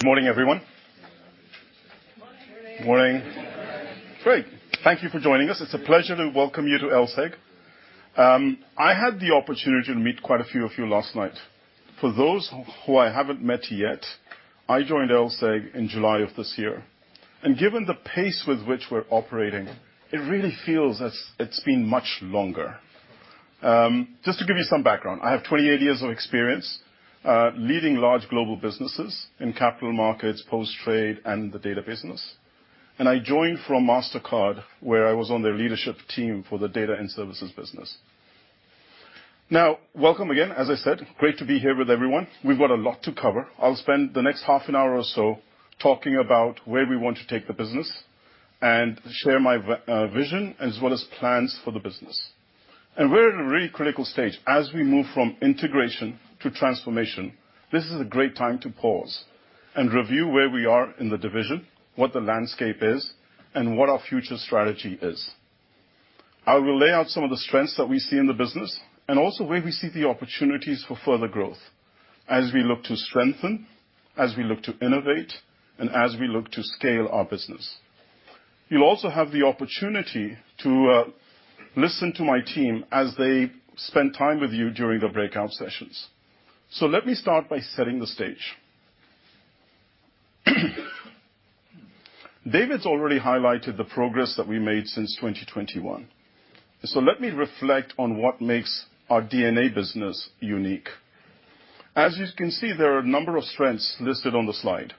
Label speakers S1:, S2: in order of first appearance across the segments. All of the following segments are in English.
S1: Good morning, everyone. Good morning. Morning. Great. Thank you for joining us. It's a pleasure to welcome you to LSEG. I had the opportunity to meet quite a few of you last night. For those who I haven't met yet, I joined LSEG in July of this year, and given the pace with which we're operating, it really feels as it's been much longer. Just to give you some background, I have 28 years of experience, leading large global businesses in capital markets, post-trade, and the data business. I joined from Mastercard, where I was on their leadership team for the data and services business. Now, welcome again. As I said, great to be here with everyone. We've got a lot to cover. I'll spend the next half an hour or so talking about where we want to take the business and share my vision, as well as plans for the business. We're at a really critical stage. As we move from integration to transformation, this is a great time to pause and review where we are in the division, what the landscape is, and what our future strategy is. I will lay out some of the strengths that we see in the business, and also where we see the opportunities for further growth as we look to strengthen, as we look to innovate, and as we look to scale our business. You'll also have the opportunity to listen to my team as they spend time with you during the breakout sessions. Let me start by setting the stage. David's already highlighted the progress that we made since 2021, so let me reflect on what makes our DNA business unique. As you can see, there are a number of strengths listed on the slide.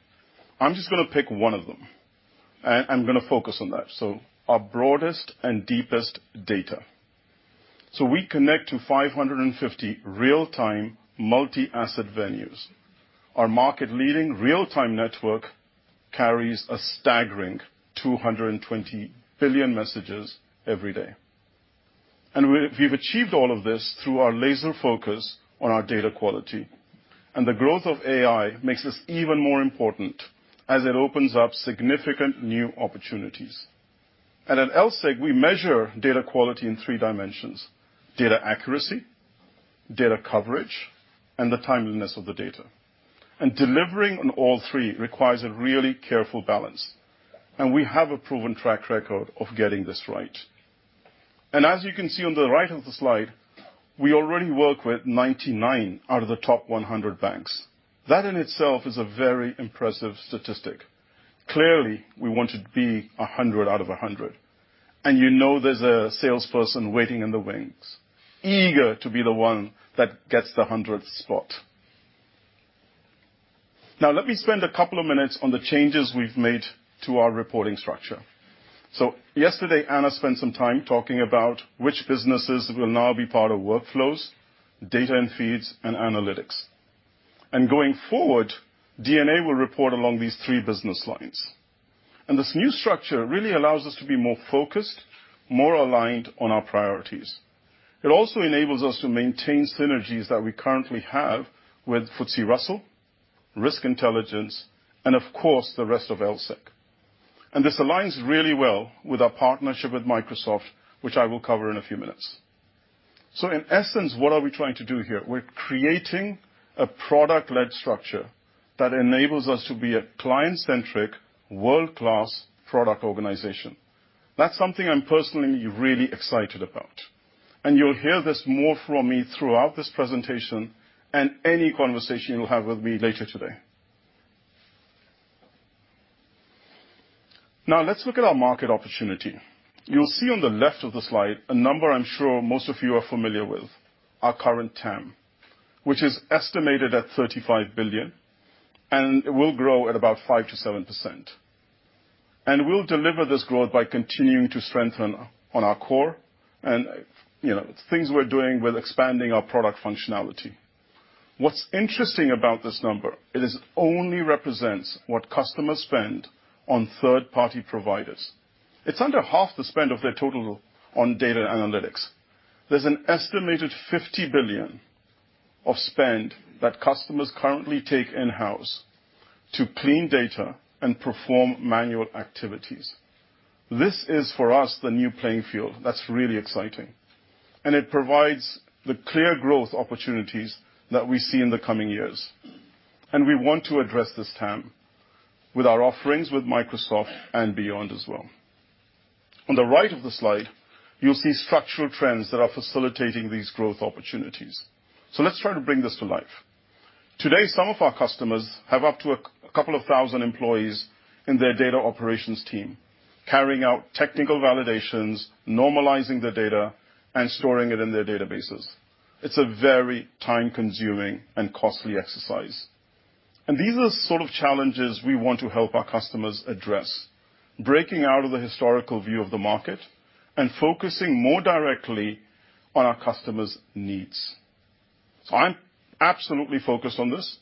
S1: I'm just gonna pick one of them, and I'm gonna focus on that. So our broadest and deepest data. So we connect to 550 real-time, multi-asset venues. Our market-leading, real-time network carries a staggering 220 billion messages every day. And we, we've achieved all of this through our laser focus on our data quality, and the growth of AI makes this even more important as it opens up significant new opportunities. And at LSEG, we measure data quality in three dimensions: data accuracy, data coverage, and the timeliness of the data. Delivering on all three requires a really careful balance, and we have a proven track record of getting this right. As you can see on the right of the slide, we already work with 99 out of the top 100 banks. That, in itself, is a very impressive statistic. Clearly, we want to be 100 out of 100, and you know there's a salesperson waiting in the wings, eager to be the one that gets the 100th spot. Now, let me spend a couple of minutes on the changes we've made to our reporting structure. Yesterday, Anna spent some time talking about which businesses will now be part of Workflows, Data & Feeds, and Analytics. Going forward, DNA will report along these three business lines. This new structure really allows us to be more focused, more aligned on our priorities. It also enables us to maintain synergies that we currently have with FTSE Russell, Risk Intelligence, and of course, the rest of LSEG. And this aligns really well with our partnership with Microsoft, which I will cover in a few minutes. So in essence, what are we trying to do here? We're creating a product-led structure that enables us to be a client-centric, world-class product organization. That's something I'm personally really excited about, and you'll hear this more from me throughout this presentation and any conversation you'll have with me later today. Now, let's look at our market opportunity. You'll see on the left of the slide, a number I'm sure most of you are familiar with, our current TAM, which is estimated at $35 billion, and it will grow at about 5%-7%. We'll deliver this growth by continuing to strengthen on our core and, you know, things we're doing with expanding our product functionality. What's interesting about this number, it only represents what customers spend on third-party providers. It's under half the spend of their total on Data Analytics. There's an estimated $50 billion of spend that customers currently take in-house to clean data and perform manual activities. This is, for us, the new playing field. That's really exciting, and it provides the clear growth opportunities that we see in the coming years, and we want to address this TAM with our offerings with Microsoft and beyond as well. On the right of the slide, you'll see structural trends that are facilitating these growth opportunities. So let's try to bring this to life. Today, some of our customers have up to a couple thousand employees in their data operations team, carrying out technical validations, normalizing the data, and storing it in their databases. It's a very time-consuming and costly exercise. These are the sort of challenges we want to help our customers address, breaking out of the historical view of the market and focusing more directly on our customers' needs. I'm absolutely focused on this,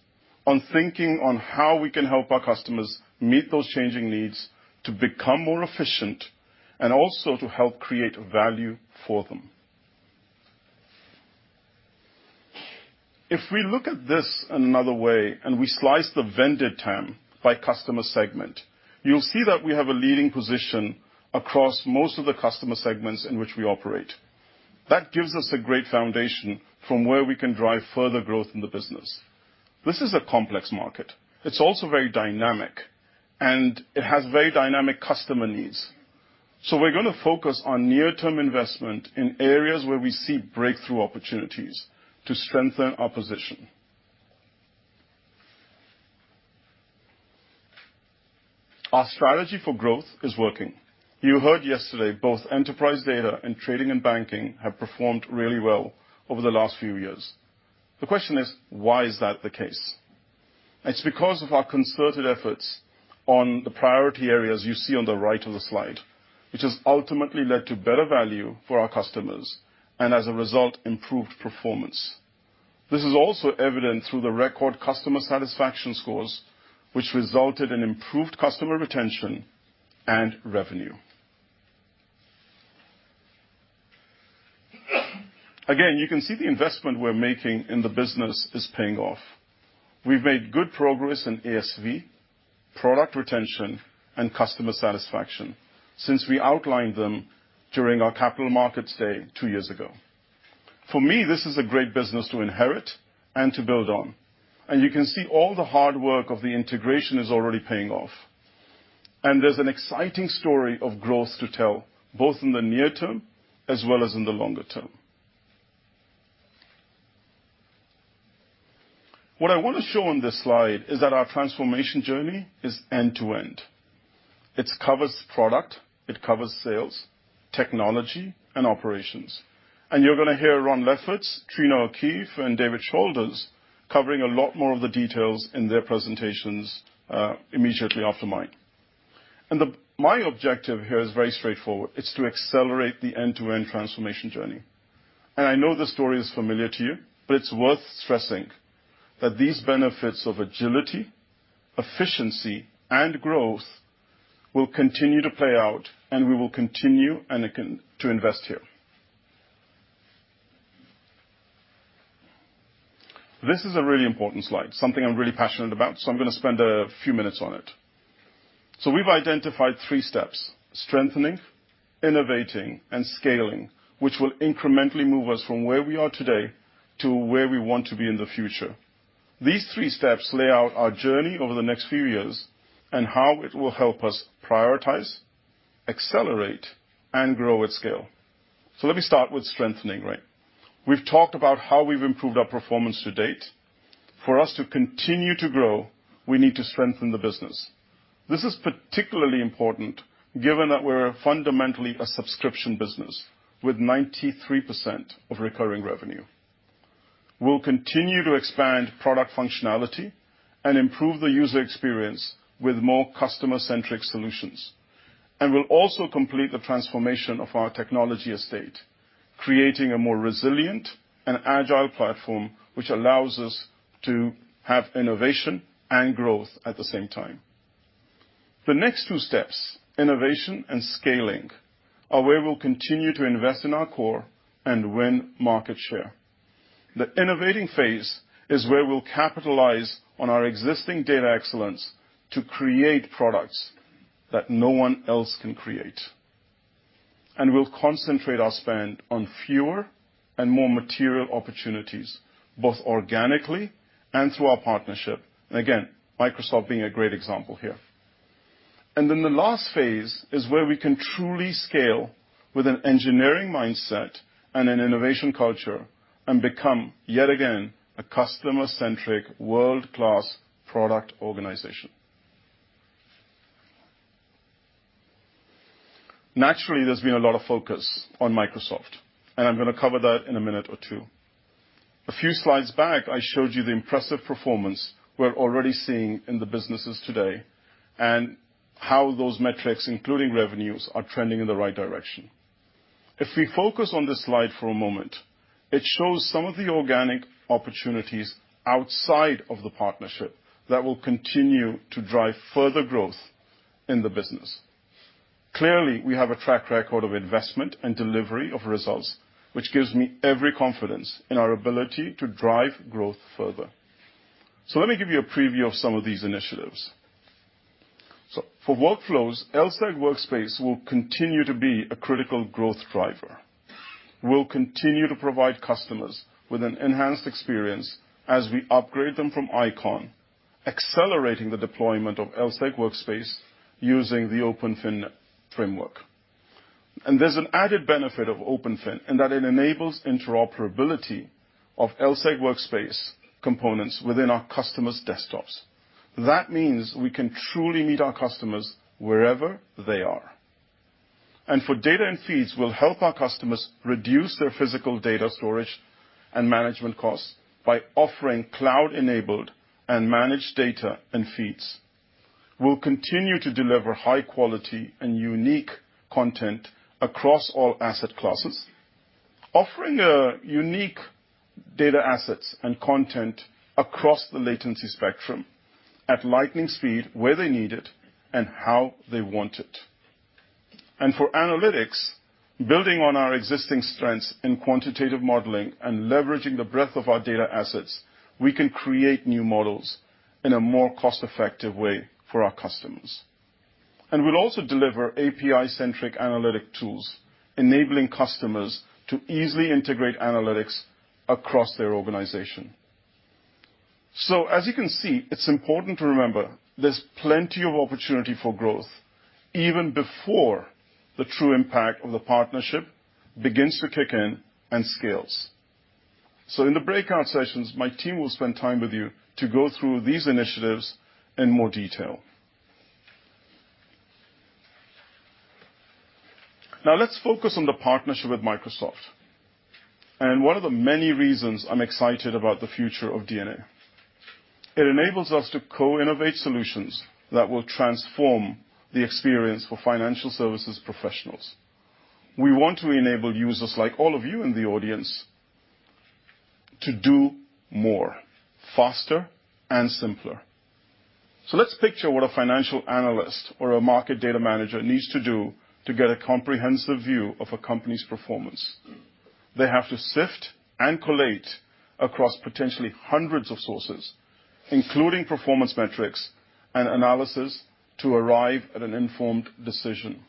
S1: on thinking on how we can help our customers meet those changing needs to become more efficient, and also to help create value for them. If we look at this another way, and we slice the vended TAM by customer segment, you'll see that we have a leading position across most of the customer segments in which we operate.... That gives us a great foundation from where we can drive further growth in the business. This is a complex market. It's also very dynamic, and it has very dynamic customer needs. So we're gonna focus on near-term investment in areas where we see breakthrough opportunities to strengthen our position. Our strategy for growth is working. You heard yesterday, both enterprise data and trading and banking have performed really well over the last few years. The question is, why is that the case? It's because of our concerted efforts on the priority areas you see on the right of the slide, which has ultimately led to better value for our customers, and as a result, improved performance. This is also evident through the record customer satisfaction scores, which resulted in improved customer retention and revenue. Again, you can see the investment we're making in the business is paying off. We've made good progress in ASV, product retention, and customer satisfaction since we outlined them during our capital markets day two years ago. For me, this is a great business to inherit and to build on, and you can see all the hard work of the integration is already paying off. There's an exciting story of growth to tell, both in the near term as well as in the longer term. What I want to show on this slide is that our transformation journey is end to end. It covers product, it covers sales, technology, and operations. You're gonna hear Ron Lefferts, Triona O'Keeffe, and David Shalders covering a lot more of the details in their presentations, immediately after mine. My objective here is very straightforward. It's to accelerate the end-to-end transformation journey. I know the story is familiar to you, but it's worth stressing that these benefits of agility, efficiency, and growth will continue to play out, and we will continue to invest here. This is a really important slide, something I'm really passionate about, so I'm gonna spend a few minutes on it. We've identified three steps: strengthening, innovating, and scaling, which will incrementally move us from where we are today to where we want to be in the future. These three steps lay out our journey over the next few years and how it will help us prioritize, accelerate, and grow at scale. Let me start with strengthening, right? We've talked about how we've improved our performance to date. For us to continue to grow, we need to strengthen the business. This is particularly important, given that we're fundamentally a subscription business with 93% of recurring revenue. We'll continue to expand product functionality and improve the user experience with more customer-centric solutions. We'll also complete the transformation of our technology estate, creating a more resilient and agile platform, which allows us to have innovation and growth at the same time. The next two steps, innovation and scaling, are where we'll continue to invest in our core and win market share. The innovating phase is where we'll capitalize on our existing data excellence to create products that no one else can create. We'll concentrate our spend on fewer and more material opportunities, both organically and through our partnership. Again, Microsoft being a great example here. Then the last phase is where we can truly scale with an engineering mindset and an innovation culture and become, yet again, a customer-centric, world-class product organization. Naturally, there's been a lot of focus on Microsoft, and I'm gonna cover that in a minute or two. A few slides back, I showed you the impressive performance we're already seeing in the businesses today and how those metrics, including revenues, are trending in the right direction. If we focus on this slide for a moment, it shows some of the organic opportunities outside of the partnership that will continue to drive further growth in the business. Clearly, we have a track record of investment and delivery of results, which gives me every confidence in our ability to drive growth further. Let me give you a preview of some of these initiatives. So for Workflows, LSEG Workspace will continue to be a critical growth driver. We'll continue to provide customers with an enhanced experience as we upgrade them from Eikon, accelerating the deployment of LSEG Workspace using the OpenFin framework. And there's an added benefit of OpenFin, in that it enables interoperability of LSEG Workspace components within our customers' desktops. That means we can truly meet our customers wherever they are. And for Data & Feeds, we'll help our customers reduce their physical data storage and management costs by offering cloud-enabled and managed Data & Feeds. We'll continue to deliver high quality and unique content across all asset classes, offering unique data assets and content across the latency spectrum at lightning speed, where they need it and how they want it. For analytics, building on our existing strengths in quantitative modeling and leveraging the breadth of our data assets, we can create new models in a more cost-effective way for our customers.... And we'll also deliver API-centric analytic tools, enabling customers to easily integrate analytics across their organization. So as you can see, it's important to remember there's plenty of opportunity for growth even before the true impact of the partnership begins to kick in and scales. So in the breakout sessions, my team will spend time with you to go through these initiatives in more detail. Now, let's focus on the partnership with Microsoft, and one of the many reasons I'm excited about the future of DNA. It enables us to co-innovate solutions that will transform the experience for financial services professionals. We want to enable users, like all of you in the audience, to do more, faster and simpler. So let's picture what a financial analyst or a market data manager needs to do to get a comprehensive view of a company's performance. They have to sift and collate across potentially hundreds of sources, including performance metrics and analysis, to arrive at an informed decision.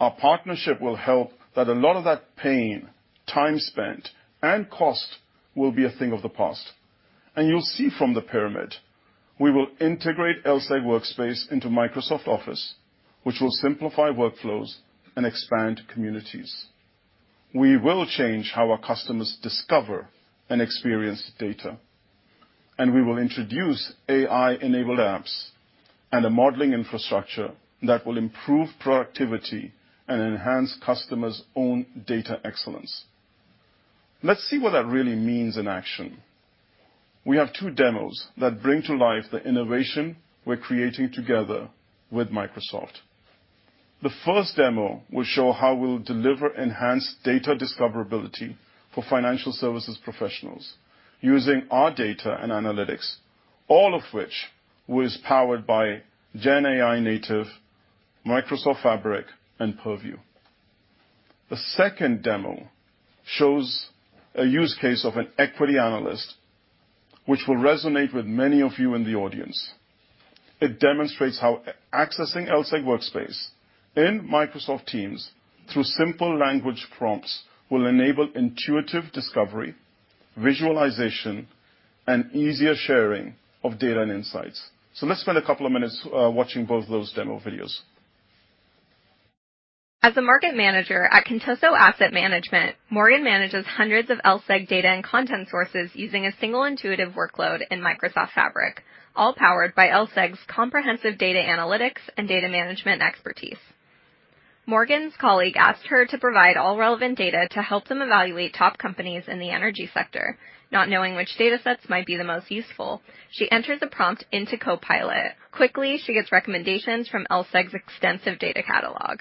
S1: Our partnership will help that a lot of that pain, time spent, and cost will be a thing of the past. And you'll see from the pyramid, we will integrate LSEG Workspace into Microsoft Office, which will simplify Workflows and expand communities. We will change how our customers discover and experience data, and we will introduce AI-enabled apps and a modeling infrastructure that will improve productivity and enhance customers' own data excellence. Let's see what that really means in action. We have two demos that bring to life the innovation we're creating together with Microsoft. The first demo will show how we'll deliver enhanced data discoverability for financial services professionals using our data and analytics, all of which was powered by GenAI, native, Microsoft Fabric, and Purview. The second demo shows a use case of an equity analyst, which will resonate with many of you in the audience. It demonstrates how accessing LSEG Workspace in Microsoft Teams through simple language prompts will enable intuitive discovery, visualization, and easier sharing of data and insights. So let's spend a couple of minutes watching both of those demo videos.
S2: As a market manager at Contoso Asset Management, Morgan manages hundreds of LSEG data and content sources using a single intuitive workload in Microsoft Fabric, all powered by LSEG's comprehensive Data Analytics and data management expertise. Morgan's colleague asked her to provide all relevant data to help them evaluate top companies in the energy sector. Not knowing which datasets might be the most useful, she enters a prompt into Copilot. Quickly, she gets recommendations from LSEG's extensive data catalog.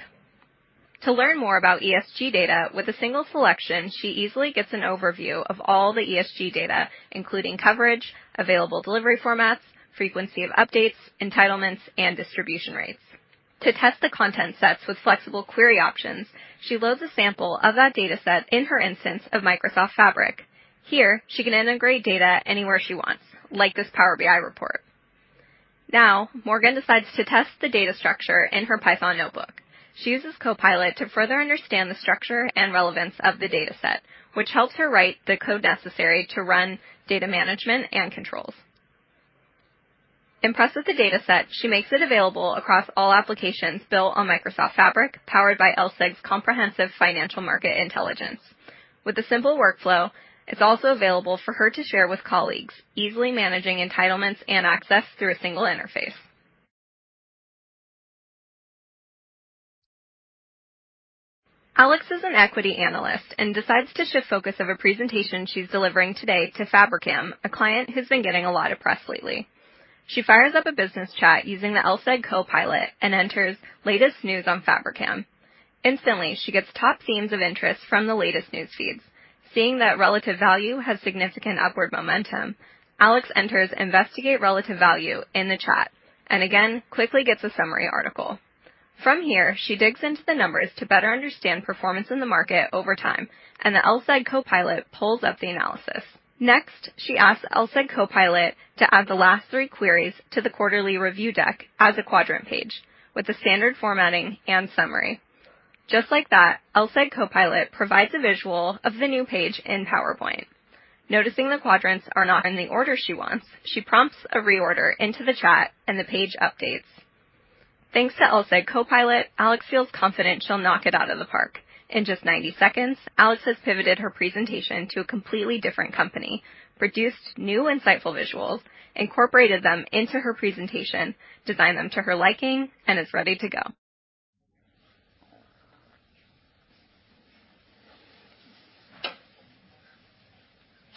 S2: To learn more about ESG data, with a single selection, she easily gets an overview of all the ESG data, including coverage, available delivery formats, frequency of updates, entitlements, and distribution rates. To test the content sets with flexible query options, she loads a sample of that dataset in her instance of Microsoft Fabric. Here, she can integrate data anywhere she wants, like this Power BI report. Now, Morgan decides to test the data structure in her Python notebook. She uses Copilot to further understand the structure and relevance of the dataset, which helps her write the code necessary to run data management and controls. Impressed with the dataset, she makes it available across all applications built on Microsoft Fabric, powered by LSEG's comprehensive financial market intelligence. With a simple workflow, it's also available for her to share with colleagues, easily managing entitlements and access through a single interface. Alex is an equity analyst and decides to shift focus of a presentation she's delivering today to Fabrikam, a client who's been getting a lot of press lately. She fires up a business chat using the LSEG Copilot and enters, "Latest news on Fabrikam." Instantly, she gets top themes of interest from the latest news feeds. Seeing that relative value has significant upward momentum, Alex enters, "Investigate relative value," in the chat, and again, quickly gets a summary article. From here, she digs into the numbers to better understand performance in the market over time, and the LSEG Copilot pulls up the analysis. Next, she asks the LSEG Copilot to add the last three queries to the quarterly review deck as a quadrant page with the standard formatting and summary. Just like that, LSEG Copilot provides a visual of the new page in PowerPoint. Noticing the quadrants are not in the order she wants, she prompts a reorder into the chat, and the page updates. Thanks to LSEG Copilot, Alex feels confident she'll knock it out of the park. In just 90 seconds, Alex has pivoted her presentation to a completely different company, produced new, insightful visuals, incorporated them into her presentation, designed them to her liking, and is ready to go.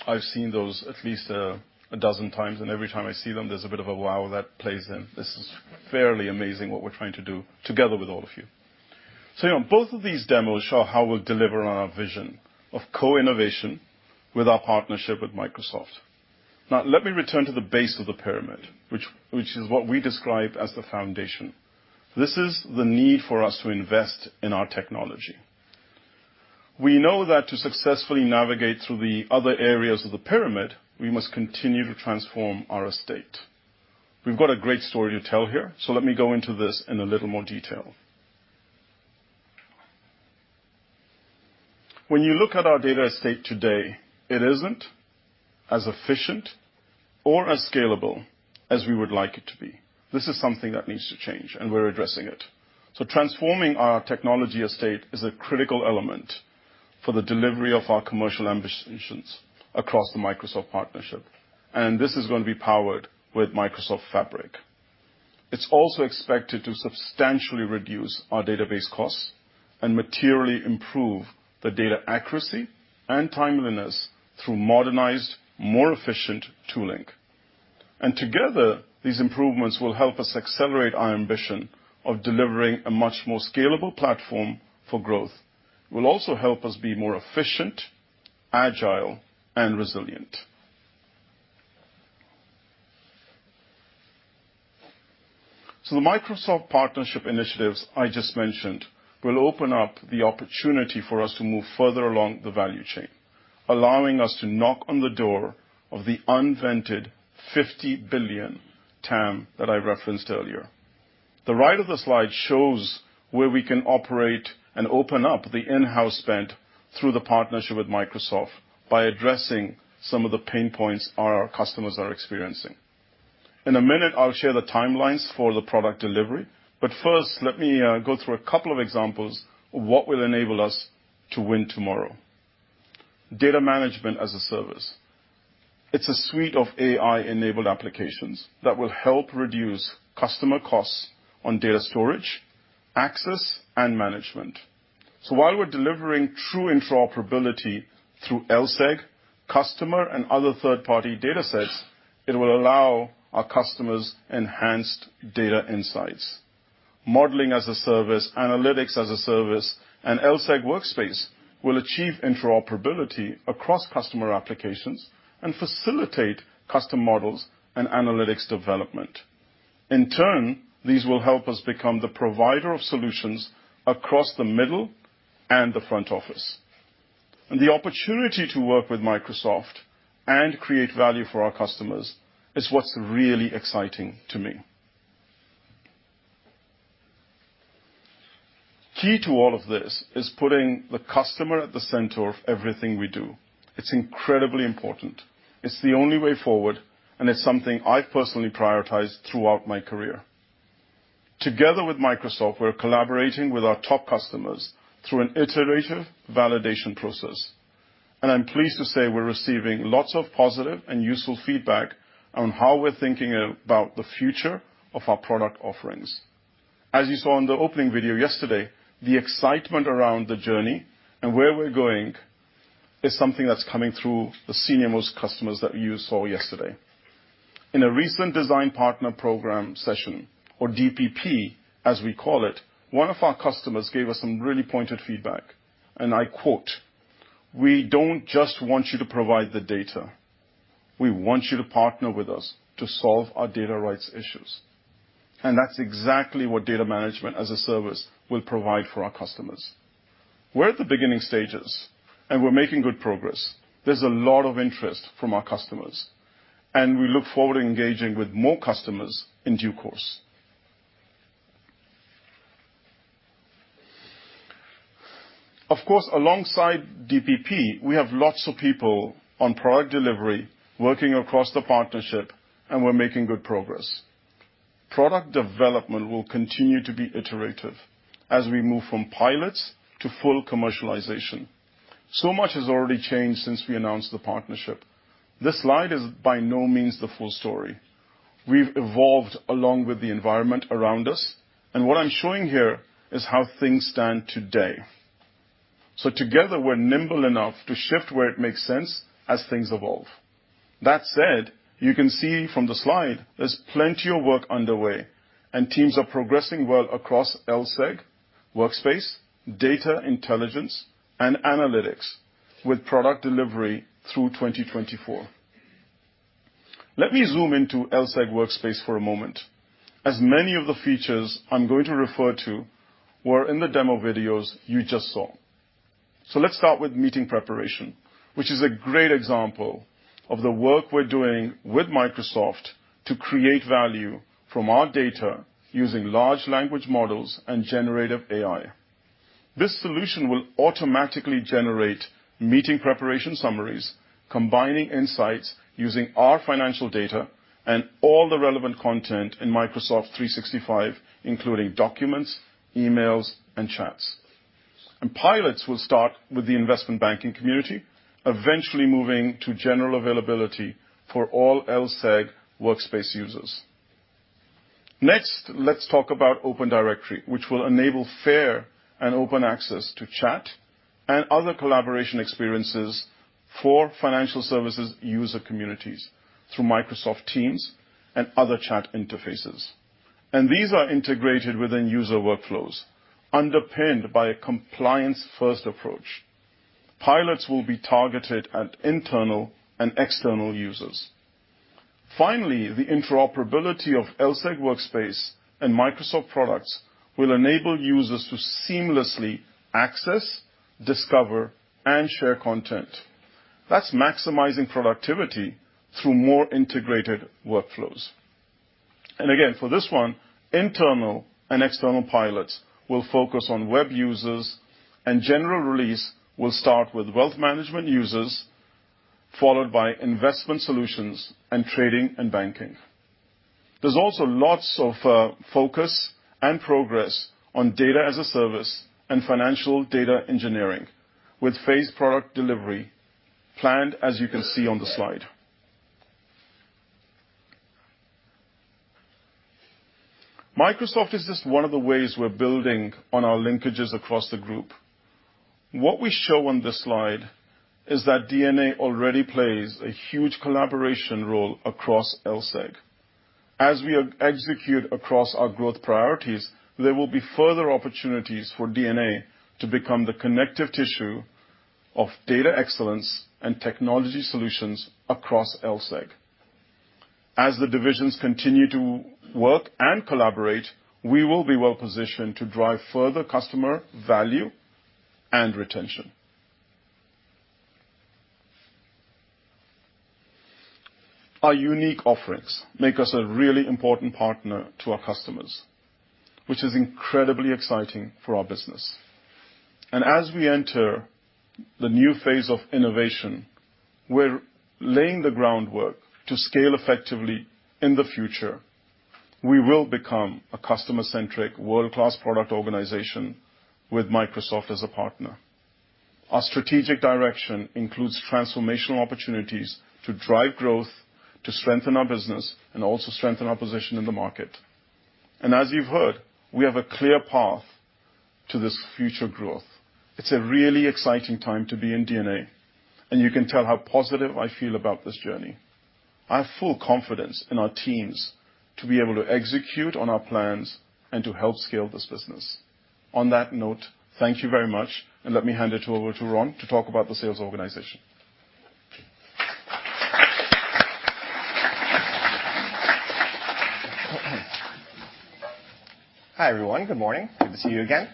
S1: I've seen those at least a dozen times, and every time I see them, there's a bit of a wow that plays in. This is fairly amazing what we're trying to do together with all of you. So yeah, both of these demos show how we'll deliver on our vision of co-innovation with our partnership with Microsoft. Now, let me return to the base of the pyramid, which is what we describe as the foundation. This is the need for us to invest in our technology... We know that to successfully navigate through the other areas of the pyramid, we must continue to transform our estate. We've got a great story to tell here, so let me go into this in a little more detail. When you look at our data estate today, it isn't as efficient or as scalable as we would like it to be. This is something that needs to change, and we're addressing it. Transforming our technology estate is a critical element for the delivery of our commercial ambitions across the Microsoft partnership, and this is going to be powered with Microsoft Fabric. It's also expected to substantially reduce our database costs and materially improve the data accuracy and timeliness through modernized, more efficient tooling. Together, these improvements will help us accelerate our ambition of delivering a much more scalable platform for growth. It will also help us be more efficient, agile, and resilient. The Microsoft partnership initiatives I just mentioned will open up the opportunity for us to move further along the value chain, allowing us to knock on the door of the unvended $50 billion TAM that I referenced earlier. The right of the slide shows where we can operate and open up the in-house spend through the partnership with Microsoft by addressing some of the pain points our customers are experiencing. In a minute, I'll share the timelines for the product delivery, but first, let me go through a couple of examples of what will enable us to win tomorrow. Data management as a service. It's a suite of AI-enabled applications that will help reduce customer costs on data storage, access, and management. So while we're delivering true interoperability through LSEG, customer and other third-party datasets, it will allow our customers enhanced data insights. Modeling as a Service, Analytics as a Service, and LSEG Workspace will achieve interoperability across customer applications and facilitate custom models and analytics development. In turn, these will help us become the provider of solutions across the middle and the front office. The opportunity to work with Microsoft and create value for our customers is what's really exciting to me. Key to all of this is putting the customer at the center of everything we do. It's incredibly important. It's the only way forward, and it's something I've personally prioritized throughout my career. Together with Microsoft, we're collaborating with our top customers through an iterative validation process, and I'm pleased to say we're receiving lots of positive and useful feedback on how we're thinking about the future of our product offerings. As you saw in the opening video yesterday, the excitement around the journey and where we're going is something that's coming through the senior-most customers that you saw yesterday. In a recent Design Partner Program session, or DPP, as we call it, one of our customers gave us some really pointed feedback, and I quote, "We don't just want you to provide the data. We want you to partner with us to solve our data rights issues." That's exactly what Data Management as a Service will provide for our customers. We're at the beginning stages, and we're making good progress. There's a lot of interest from our customers, and we look forward to engaging with more customers in due course. Of course, alongside DPP, we have lots of people on product delivery working across the partnership, and we're making good progress. Product development will continue to be iterative as we move from pilots to full commercialization. So much has already changed since we announced the partnership. This slide is by no means the full story. We've evolved along with the environment around us, and what I'm showing here is how things stand today. So together, we're nimble enough to shift where it makes sense as things evolve. That said, you can see from the slide there's plenty of work underway, and teams are progressing well across LSEG Workspace, data intelligence, and analytics with product delivery through 2024. Let me zoom into LSEG Workspace for a moment, as many of the features I'm going to refer to were in the demo videos you just saw. So let's start with meeting preparation, which is a great example of the work we're doing with Microsoft to create value from our data using large language models and generative AI. This solution will automatically generate meeting preparation summaries, combining insights using our financial data and all the relevant content in Microsoft 365, including documents, emails, and chats. Pilots will start with the investment banking community, eventually moving to general availability for all LSEG Workspace users. Next, let's talk about Open Directory, which will enable fair and open access to chat and other collaboration experiences for financial services user communities through Microsoft Teams and other chat interfaces. And these are integrated within user Workflows, underpinned by a compliance-first approach. Pilots will be targeted at internal and external users.... Finally, the interoperability of LSEG Workspace and Microsoft products will enable users to seamlessly access, discover, and share content. That's maximizing productivity through more integrated Workflows. And again, for this one, internal and external pilots will focus on web users, and general release will start with wealth management users, followed by investment solutions and trading and banking. There's also lots of focus and progress on Data as a Service and Financial Data Engineering, with phased product delivery planned, as you can see on the slide. Microsoft is just one of the ways we're building on our linkages across the group. What we show on this slide is that DNA already plays a huge collaboration role across LSEG. As we execute across our growth priorities, there will be further opportunities for DNA to become the connective tissue of data excellence and technology solutions across LSEG. As the divisions continue to work and collaborate, we will be well-positioned to drive further customer value and retention. Our unique offerings make us a really important partner to our customers, which is incredibly exciting for our business. And as we enter the new phase of innovation, we're laying the groundwork to scale effectively in the future. We will become a customer-centric, world-class product organization with Microsoft as a partner. Our strategic direction includes transformational opportunities to drive growth, to strengthen our business, and also strengthen our position in the market. As you've heard, we have a clear path to this future growth. It's a really exciting time to be in DNA, and you can tell how positive I feel about this journey. I have full confidence in our teams to be able to execute on our plans and to help scale this business. On that note, thank you very much, and let me hand it over to Ron to talk about the sales organization.
S3: Hi, everyone. Good morning. Good to see you again.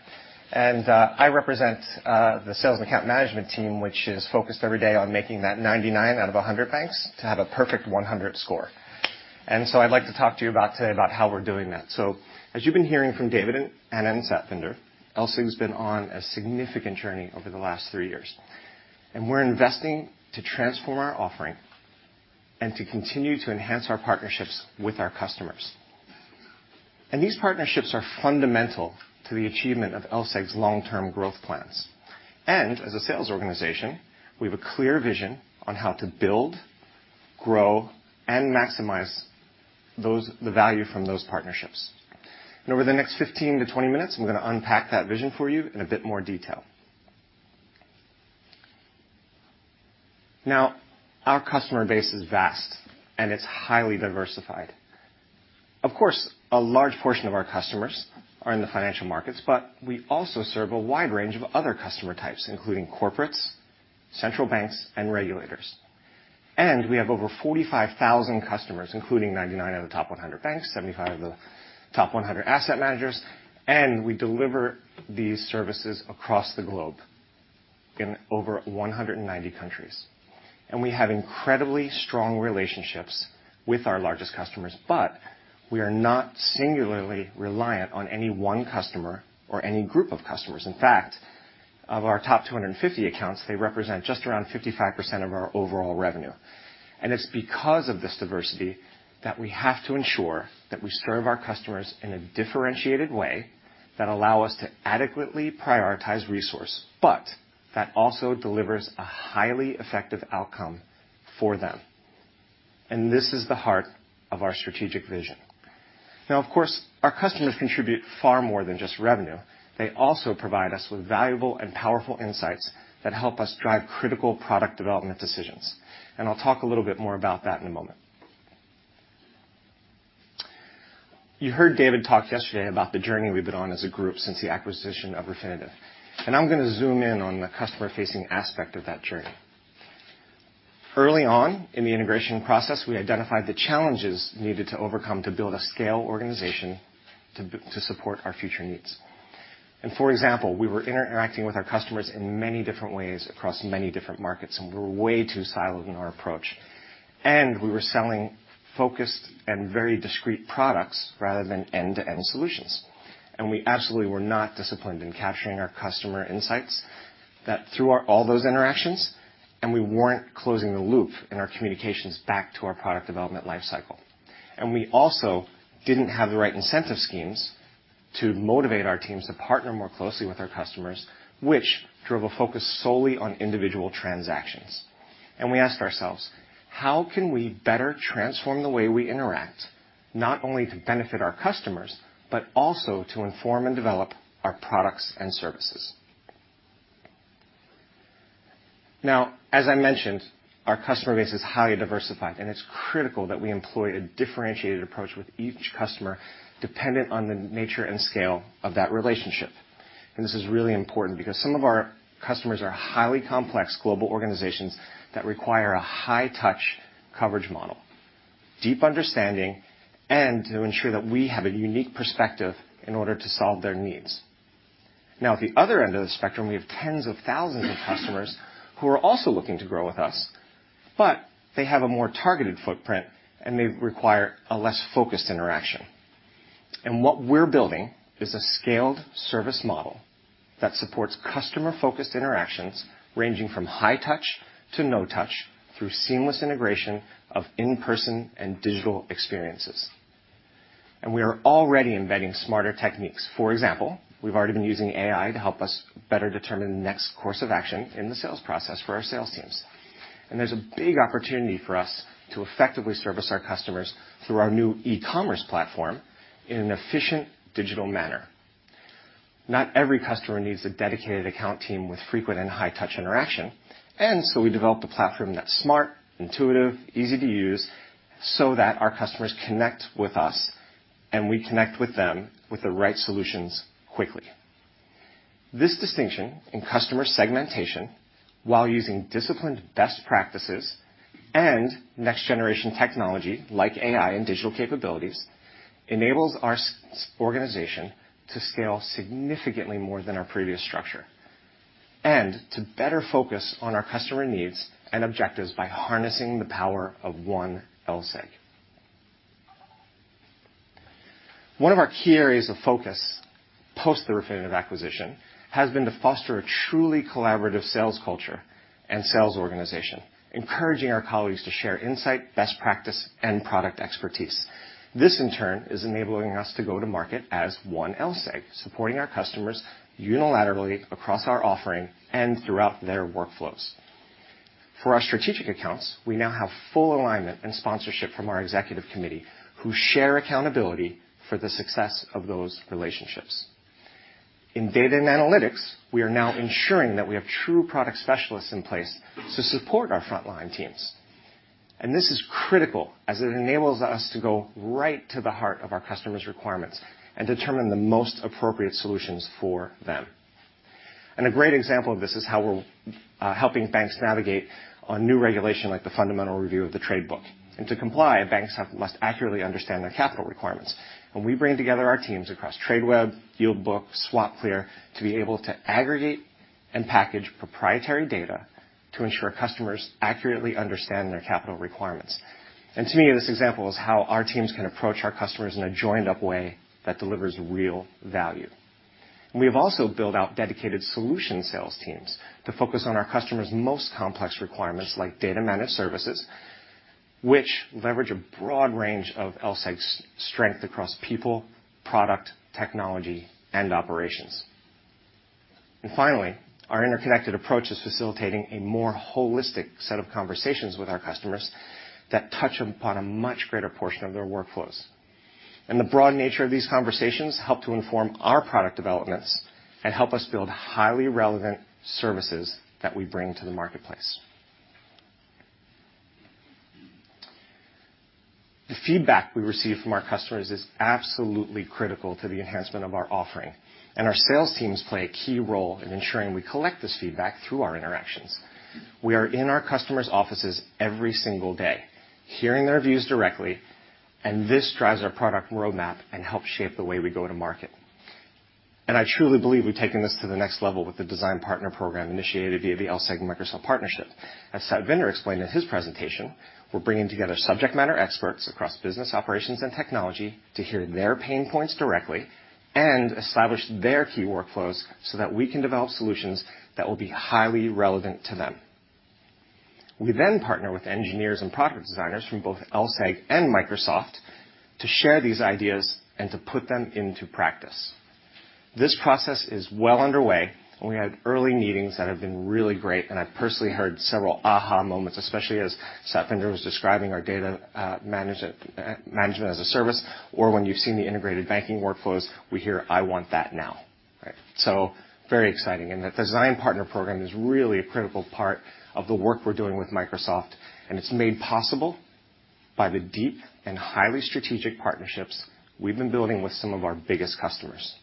S3: And I represent the sales and account management team, which is focused every day on making that 99 out of 100 banks to have a perfect 100 score. And so I'd like to talk to you about today about how we're doing that. So as you've been hearing from David and Satvinder, LSEG's been on a significant journey over the last three years, and we're investing to transform our offering and to continue to enhance our partnerships with our customers. And these partnerships are fundamental to the achievement of LSEG's long-term growth plans. And as a sales organization, we have a clear vision on how to build, grow, and maximize those... the value from those partnerships. Over the next 15-20 minutes, I'm going to unpack that vision for you in a bit more detail. Now, our customer base is vast, and it's highly diversified. Of course, a large portion of our customers are in the financial markets, but we also serve a wide range of other customer types, including corporates, central banks, and regulators. We have over 45,000 customers, including 99 of the top 100 banks, 75 of the top 100 asset managers, and we deliver these services across the globe in over 190 countries. We have incredibly strong relationships with our largest customers, but we are not singularly reliant on any one customer or any group of customers. In fact, of our top 250 accounts, they represent just around 55% of our overall revenue. It's because of this diversity that we have to ensure that we serve our customers in a differentiated way that allow us to adequately prioritize resource, but that also delivers a highly effective outcome for them. This is the heart of our strategic vision. Now, of course, our customers contribute far more than just revenue. They also provide us with valuable and powerful insights that help us drive critical product development decisions. I'll talk a little bit more about that in a moment. You heard David talk yesterday about the journey we've been on as a group since the acquisition of Refinitiv, and I'm going to zoom in on the customer-facing aspect of that journey. Early on in the integration process, we identified the challenges needed to overcome to build a scale organization to support our future needs. For example, we were interacting with our customers in many different ways across many different markets, and we were way too siloed in our approach. We were selling focused and very discrete products rather than end-to-end solutions. We absolutely were not disciplined in capturing our customer insights that through our... all those interactions, and we weren't closing the loop in our communications back to our product development life cycle. We also didn't have the right incentive schemes to motivate our teams to partner more closely with our customers, which drove a focus solely on individual transactions. We asked ourselves: how can we better transform the way we interact, not only to benefit our customers, but also to inform and develop our products and services? Now, as I mentioned, our customer base is highly diversified, and it's critical that we employ a differentiated approach with each customer, dependent on the nature and scale of that relationship. This is really important because some of our customers are highly complex global organizations that require a high-touch coverage model, deep understanding, and to ensure that we have a unique perspective in order to solve their needs. Now, at the other end of the spectrum, we have tens of thousands of customers who are also looking to grow with us, but they have a more targeted footprint, and they require a less focused interaction. What we're building is a scaled service model that supports customer-focused interactions, ranging from high touch to no touch, through seamless integration of in-person and digital experiences. We are already embedding smarter techniques. For example, we've already been using AI to help us better determine the next course of action in the sales process for our sales teams. There's a big opportunity for us to effectively service our customers through our new e-commerce platform in an efficient digital manner. Not every customer needs a dedicated account team with frequent and high-touch interaction, and so we developed a platform that's smart, intuitive, easy to use, so that our customers connect with us, and we connect with them with the right solutions quickly. This distinction in customer segmentation, while using disciplined best practices and next-generation technology like AI and digital capabilities, enables our sales organization to scale significantly more than our previous structure, and to better focus on our customer needs and objectives by harnessing the power of one LSEG. One of our key areas of focus post the Refinitiv acquisition, has been to foster a truly collaborative sales culture and sales organization, encouraging our colleagues to share insight, best practice, and product expertise. This, in turn, is enabling us to go to market as one LSEG, supporting our customers unilaterally across our offering and throughout their Workflows. For our strategic accounts, we now have full alignment and sponsorship from our executive committee, who share accountability for the success of those relationships. In data and analytics, we are now ensuring that we have true product specialists in place to support our frontline teams. And this is critical as it enables us to go right to the heart of our customers' requirements and determine the most appropriate solutions for them. A great example of this is how we're helping banks navigate new regulation, like the Fundamental Review of the Trading Book. To comply, banks must accurately understand their capital requirements. We bring together our teams across Tradeweb, Yield Book, SwapClear, to be able to aggregate and package proprietary data to ensure customers accurately understand their capital requirements. To me, this example is how our teams can approach our customers in a joined-up way that delivers real value. We have also built out dedicated solution sales teams to focus on our customers' most complex requirements, like data management services, which leverage a broad range of LSEG's strength across people, product, technology, and operations. Finally, our interconnected approach is facilitating a more holistic set of conversations with our customers that touch upon a much greater portion of their Workflows. The broad nature of these conversations help to inform our product developments and help us build highly relevant services that we bring to the marketplace. The feedback we receive from our customers is absolutely critical to the enhancement of our offering, and our sales teams play a key role in ensuring we collect this feedback through our interactions. We are in our customers' offices every single day, hearing their views directly, and this drives our product roadmap and helps shape the way we go to market. I truly believe we've taken this to the next level with the Design Partner Program initiated via the LSEG-Microsoft partnership. As Satvinder explained in his presentation, we're bringing together subject matter experts across business operations and technology to hear their pain points directly and establish their key Workflows so that we can develop solutions that will be highly relevant to them. We then partner with engineers and product designers from both LSEG and Microsoft to share these ideas and to put them into practice. This process is well underway, and we had early meetings that have been really great, and I've personally heard several aha moments, especially as Satvinder was describing our data management as a service, or when you've seen the integrated banking Workflows, we hear, "I want that now." Right. So very exciting. And the Design Partner Program is really a critical part of the work we're doing with Microsoft, and it's made possible by the deep and highly strategic partnerships we've been building with some of our biggest customers.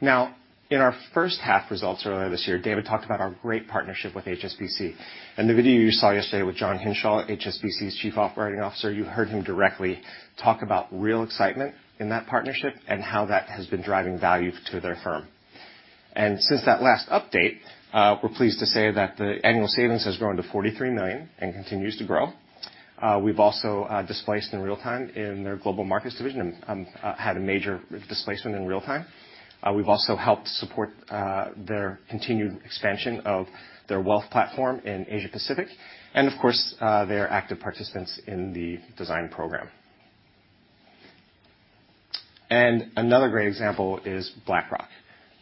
S3: Now, in our first half results earlier this year, David talked about our great partnership with HSBC. And the video you saw yesterday with John Hinshaw, HSBC's Chief Operating Officer, you heard him directly talk about real excitement in that partnership and how that has been driving value to their firm. And since that last update, we're pleased to say that the annual savings has grown to $43 million and continues to grow. We've also displaced in Real-Time in their Global Markets division and had a major displacement in Real-Time. We've also helped support their continued expansion of their wealth platform in Asia Pacific, and of course, they are active participants in the design program. And another great example is BlackRock,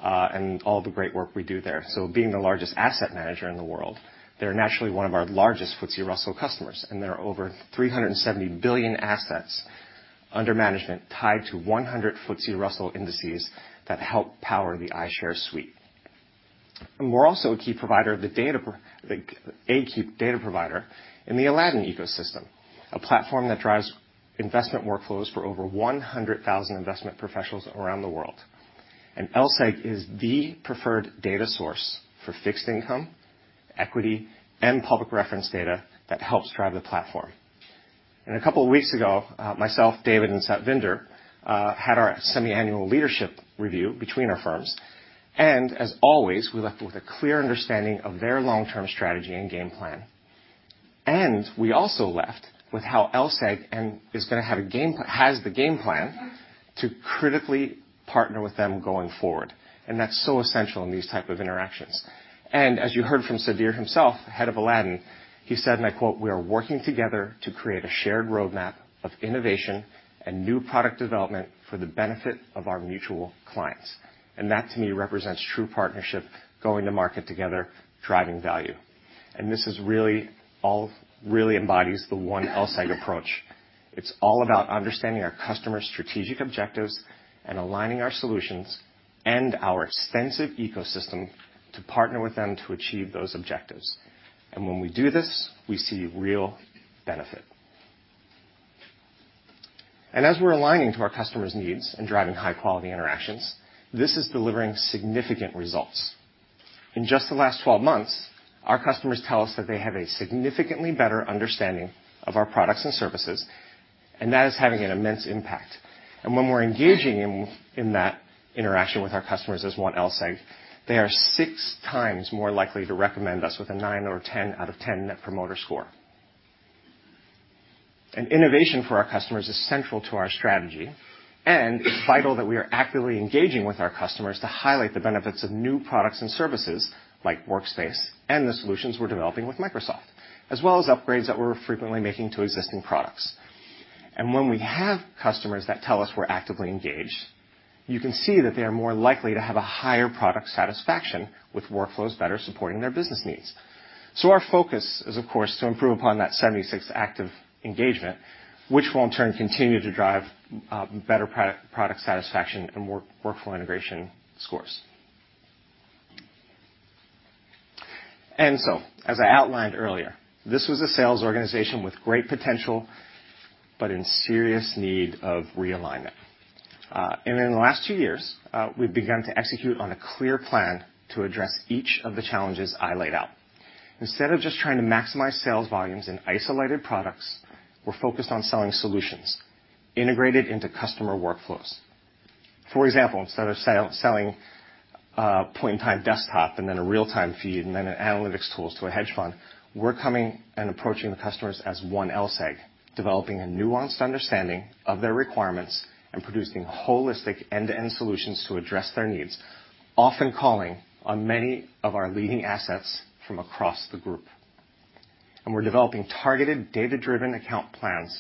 S3: and all the great work we do there. So being the largest asset manager in the world, they're naturally one of our largest FTSE Russell customers, and there are over $370 billion assets under management tied to 100 FTSE Russell indices that help power the iShares suite. And we're also a key provider of the data—a key data provider in the Aladdin ecosystem, a platform that drives investment Workflows for over 100,000 investment professionals around the world. And LSEG is the preferred data source for fixed income, equity, and public reference data that helps drive the platform. And a couple of weeks ago, myself, David, and Satvinder had our semiannual leadership review between our firms, and as always, we left with a clear understanding of their long-term strategy and game plan. We also left with how LSEG and is gonna have has the game plan to critically partner with them going forward, and that's so essential in these type of interactions. As you heard from Sudhir himself, head of Aladdin, he said, and I quote, "We are working together to create a shared roadmap of innovation and new product development for the benefit of our mutual clients." And that, to me, represents true partnership, going to market together, driving value. This really embodies the one LSEG approach. It's all about understanding our customers' strategic objectives and aligning our solutions and our extensive ecosystem to partner with them to achieve those objectives. When we do this, we see real benefit. As we're aligning to our customers' needs and driving high-quality interactions, this is delivering significant results. In just the last 12 months, our customers tell us that they have a significantly better understanding of our products and services, and that is having an immense impact. And when we're engaging in that interaction with our customers as one LSEG, they are six times more likely to recommend us with a nine or a 10 out of 10 Net Promoter Score. And innovation for our customers is central to our strategy, and it's vital that we are actively engaging with our customers to highlight the benefits of new products and services like Workspace and the solutions we're developing with Microsoft, as well as upgrades that we're frequently making to existing products. And when we have customers that tell us we're actively engaged, you can see that they are more likely to have a higher product satisfaction with Workflows better supporting their business needs. Our focus is, of course, to improve upon that 76 active engagement, which will, in turn, continue to drive better product satisfaction and workflow integration scores. As I outlined earlier, this was a sales organization with great potential, but in serious need of realignment. In the last two years, we've begun to execute on a clear plan to address each of the challenges I laid out. Instead of just trying to maximize sales volumes in isolated products, we're focused on selling solutions integrated into customer Workflows. For example, instead of selling point-in-time desktop and then a real-time feed and then analytics tools to a hedge fund, we're coming and approaching the customers as one LSEG, developing a nuanced understanding of their requirements and producing holistic end-to-end solutions to address their needs, often calling on many of our leading assets from across the group. We're developing targeted, data-driven account plans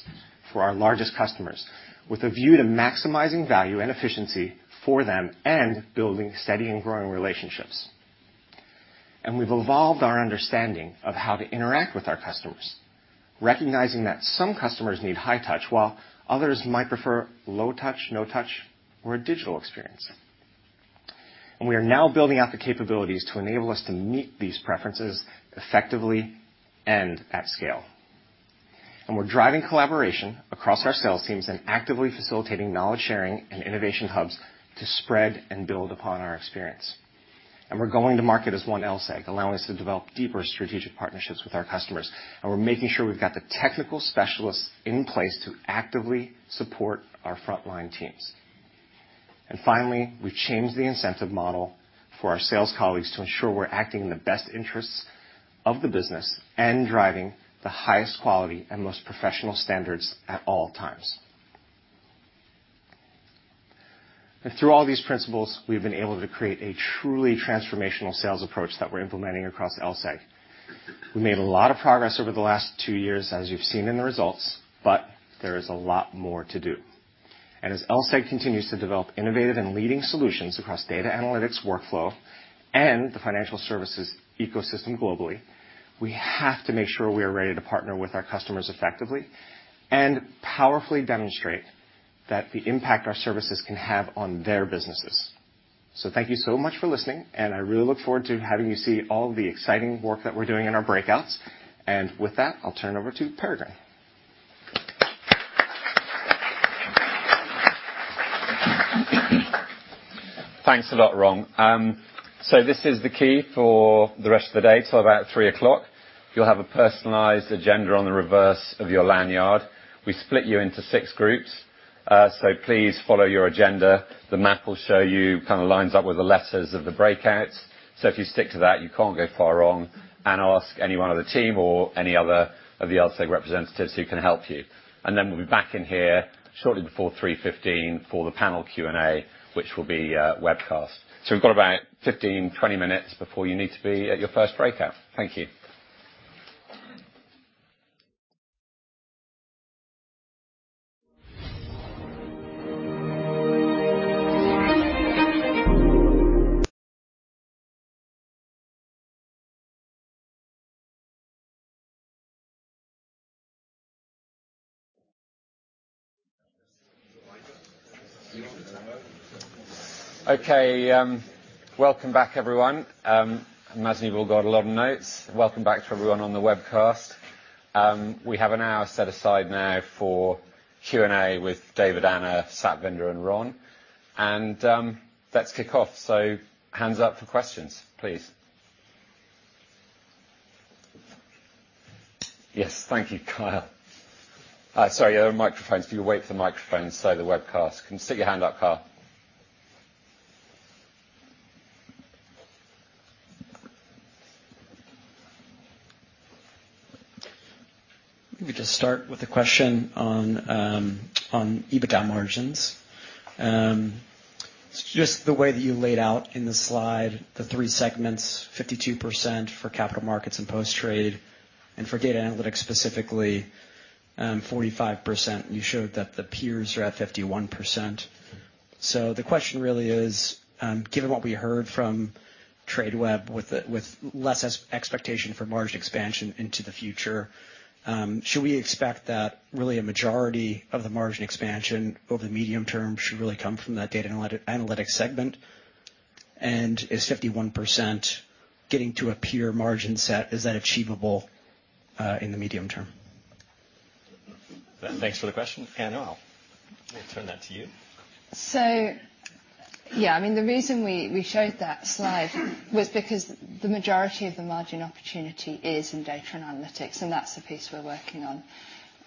S3: for our largest customers with a view to maximizing value and efficiency for them and building steady and growing relationships. We've evolved our understanding of how to interact with our customers, recognizing that some customers need high touch, while others might prefer low touch, no touch, or a digital experience. We are now building out the capabilities to enable us to meet these preferences effectively and at scale. We're driving collaboration across our sales teams and actively facilitating knowledge sharing and innovation hubs to spread and build upon our experience. We're going to market as one LSEG, allowing us to develop deeper strategic partnerships with our customers. We're making sure we've got the technical specialists in place to actively support our frontline teams. Finally, we've changed the incentive model for our sales colleagues to ensure we're acting in the best interests of the business and driving the highest quality and most professional standards at all times. Through all these principles, we've been able to create a truly transformational sales approach that we're implementing across LSEG. We made a lot of progress over the last two years, as you've seen in the results, but there is a lot more to do. As LSEG continues to develop innovative and leading solutions across Data Analytics workflow and the financial services ecosystem globally, we have to make sure we are ready to partner with our customers effectively and powerfully demonstrate that the impact our services can have on their businesses. Thank you so much for listening, and I really look forward to having you see all the exciting work that we're doing in our breakouts. With that, I'll turn it over to Peregrine.
S4: Thanks a lot, Ron. So this is the key for the rest of the day, till about 3:00 P.M. You'll have a personalized agenda on the reverse of your lanyard. We split you into 6 groups, so please follow your agenda. The map will show you, kind of lines up with the letters of the breakouts. So if you stick to that, you can't go far wrong, and ask any one of the team or any other of the LSEG representatives who can help you. And then we'll be back in here shortly before 3:15 P.M. for the panel Q&A, which will be webcast. So we've got about 15, 20 minutes before you need to be at your first breakout. Thank you. ...
S5: Okay, welcome back, everyone. I imagine you've all got a lot of notes. Welcome back to everyone on the webcast. We have an hour set aside now for Q&A with David, Anna, Satvinder, and Ron. Let's kick off. So hands up for questions, please. Yes, thank you, Kyle. Sorry, you have a microphone. So if you wait for the microphone, so the webcast. You can stick your hand up, Kyle.
S6: Let me just start with a question on EBITDA margins. Just the way that you laid out in the slide, the three segments, 52% for Capital Markets and Post-Trade, and for Data Analytics, specifically, 45%. You showed that the peers are at 51%. So the question really is: Given what we heard from Tradeweb, with less expectation for margin expansion into the future, should we expect that really a majority of the margin expansion over the medium term should really come from that Data Analytics segment? And is 51% getting to a peer margin set, is that achievable in the medium term?
S5: Thanks for the question. Anna, I'll turn that to you.
S7: So yeah, I mean, the reason we showed that slide was because the majority of the margin opportunity is in data and analytics, and that's the piece we're working on.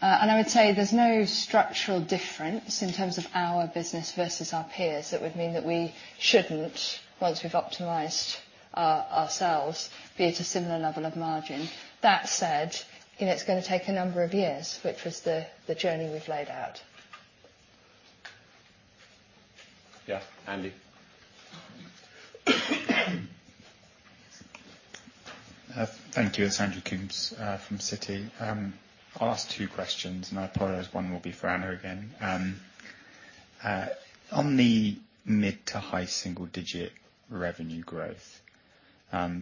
S7: And I would say there's no structural difference in terms of our business versus our peers that would mean that we shouldn't, once we've optimized ourselves, be at a similar level of margin. That said, you know, it's gonna take a number of years, which was the journey we've laid out.
S4: Yeah. Andy?
S8: Thank you. It's Andrew Coombs from Citi. I'll ask two questions, and I apologize, one will be for Anna again. On the mid- to high single-digit revenue growth,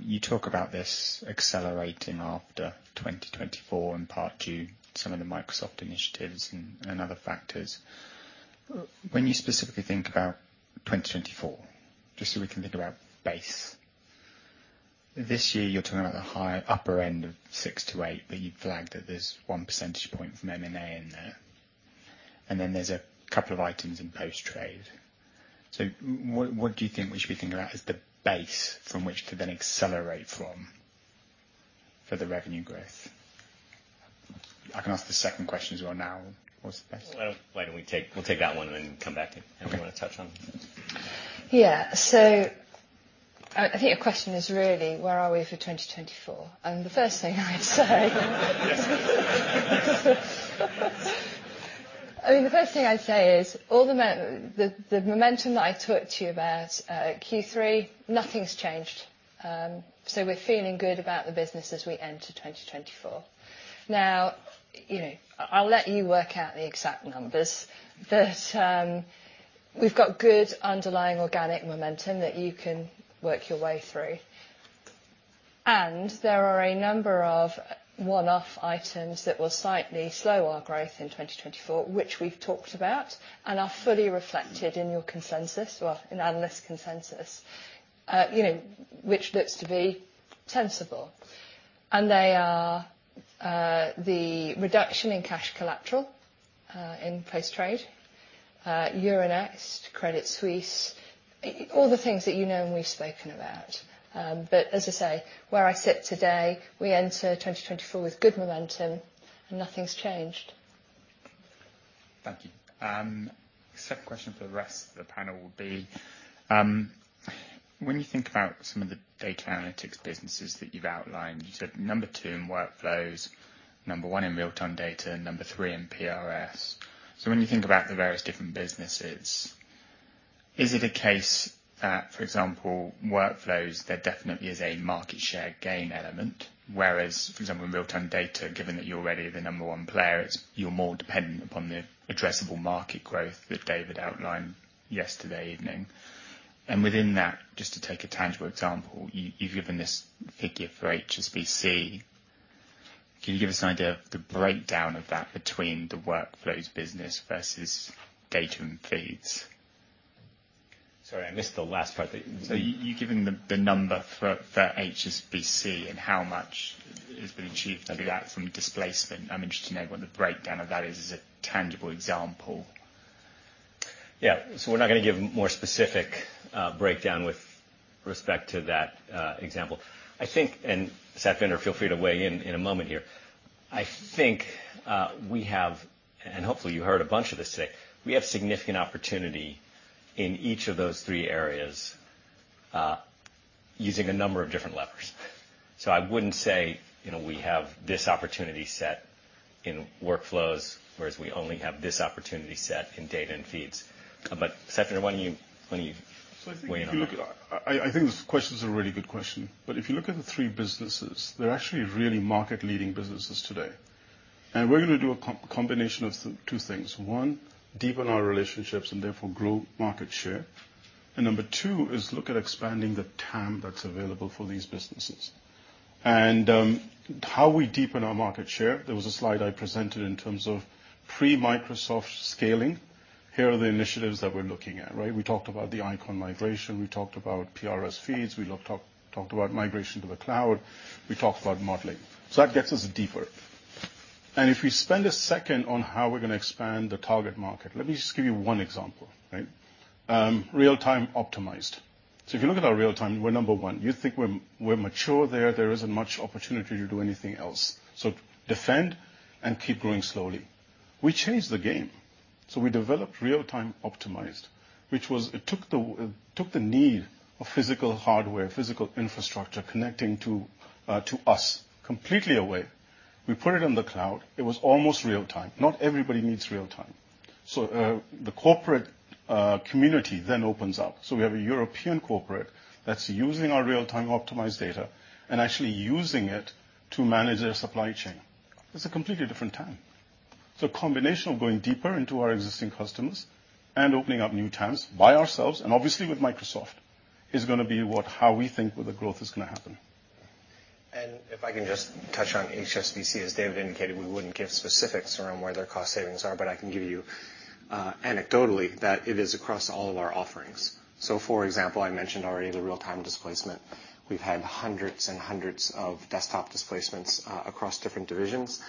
S8: you talk about this accelerating after 2024, in part due to some of the Microsoft initiatives and other factors. When you specifically think about 2024, just so we can think about base, this year, you're talking about the high upper end of 6-8, but you've flagged that there's 1 percentage point from M&A in there, and then there's a couple of items in post-trade. So what do you think we should be thinking about as the base from which to then accelerate from for the revenue growth? I can ask the second question as well now, or is it best-
S5: Well, why don't we take... We'll take that one and then come back to you. Andrew, you want to touch on it?
S7: Yeah. So I, I think your question is really: Where are we for 2024? And the first thing I'd say...
S8: Yes.
S7: I mean, the first thing I'd say is all the momentum that I talked to you about at Q3, nothing's changed. So we're feeling good about the business as we enter 2024. Now, you know, I'll let you work out the exact numbers. But we've got good underlying organic momentum that you can work your way through, and there are a number of one-off items that will slightly slow our growth in 2024, which we've talked about and are fully reflected in your consensus, well, in analyst consensus, you know, which looks to be sensible. And they are the reduction in cash collateral in post-trade, Euronext, Credit Suisse, all the things that you know and we've spoken about. But as I say, where I sit today, we enter 2024 with good momentum, and nothing's changed.
S8: Thank you. Second question for the rest of the panel will be, when you think about some of the Data Analytics businesses that you've outlined, you said number two in Workflows, number one in real-time data, and number three in PRS. So when you think about the various different businesses, is it a case that, for example, Workflows, there definitely is a market share gain element, whereas, for example, in real-time data, given that you're already the number one player, it's, you're more dependent upon the addressable market growth that David outlined yesterday evening. And within that, just to take a tangible example, you've given this figure for HSBC. Can you give us an idea of the breakdown of that between the Workflows business versus data and feeds?
S5: Sorry, I missed the last part there.
S8: So you've given the number for HSBC, and how much has been achieved through that from displacement. I'm interested to know what the breakdown of that is as a tangible example.
S5: Yeah. So we're not going to give more specific breakdown with respect to that example. I think, and Satvinder, feel free to weigh in in a moment here. I think we have, and hopefully you heard a bunch of this today, we have significant opportunity in each of those three areas using a number of different levers. So I wouldn't say, you know, we have this opportunity set in Workflows, whereas we only have this opportunity set in Data & Feeds. But Satvinder, why don't you, why don't you weigh in on that?
S6: So I think if you look, I think this question is a really good question, but if you look at the three businesses, they're actually really market-leading businesses today. And we're going to do a combination of two things. One, deepen our relationships and therefore grow market share....
S1: And number two is look at expanding the TAM that's available for these businesses. And how we deepen our market share, there was a slide I presented in terms of pre-Microsoft scaling. Here are the initiatives that we're looking at, right? We talked about the Eikon migration, we talked about PRS feeds, we talked about migration to the cloud, we talked about modeling. So that gets us deeper. And if we spend a second on how we're gonna expand the target market, let me just give you one example, right? Real-Time Optimized. So if you look at our Real-Time, we're number one. You think we're, we're mature there, there isn't much opportunity to do anything else. So defend and keep growing slowly. We changed the game. So we developed Real-Time Optimized, which was... It took the need of physical hardware, physical infrastructure, connecting to us completely away. We put it on the cloud. It was almost Real-Time. Not everybody needs Real-Time. So the corporate community then opens up. So we have a European corporate that's using our Real-Time Optimized data and actually using it to manage their supply chain. It's a completely different TAM. So a combination of going deeper into our existing customers and opening up new TAMs by ourselves, and obviously with Microsoft, is gonna be what - how we think where the growth is gonna happen.
S5: And if I can just touch on HSBC, as David indicated, we wouldn't give specifics around where their cost savings are, but I can give you, anecdotally, that it is across all of our offerings. So, for example, I mentioned already the real-time displacement. We've had hundreds and hundreds of desktop displacements, across different divisions.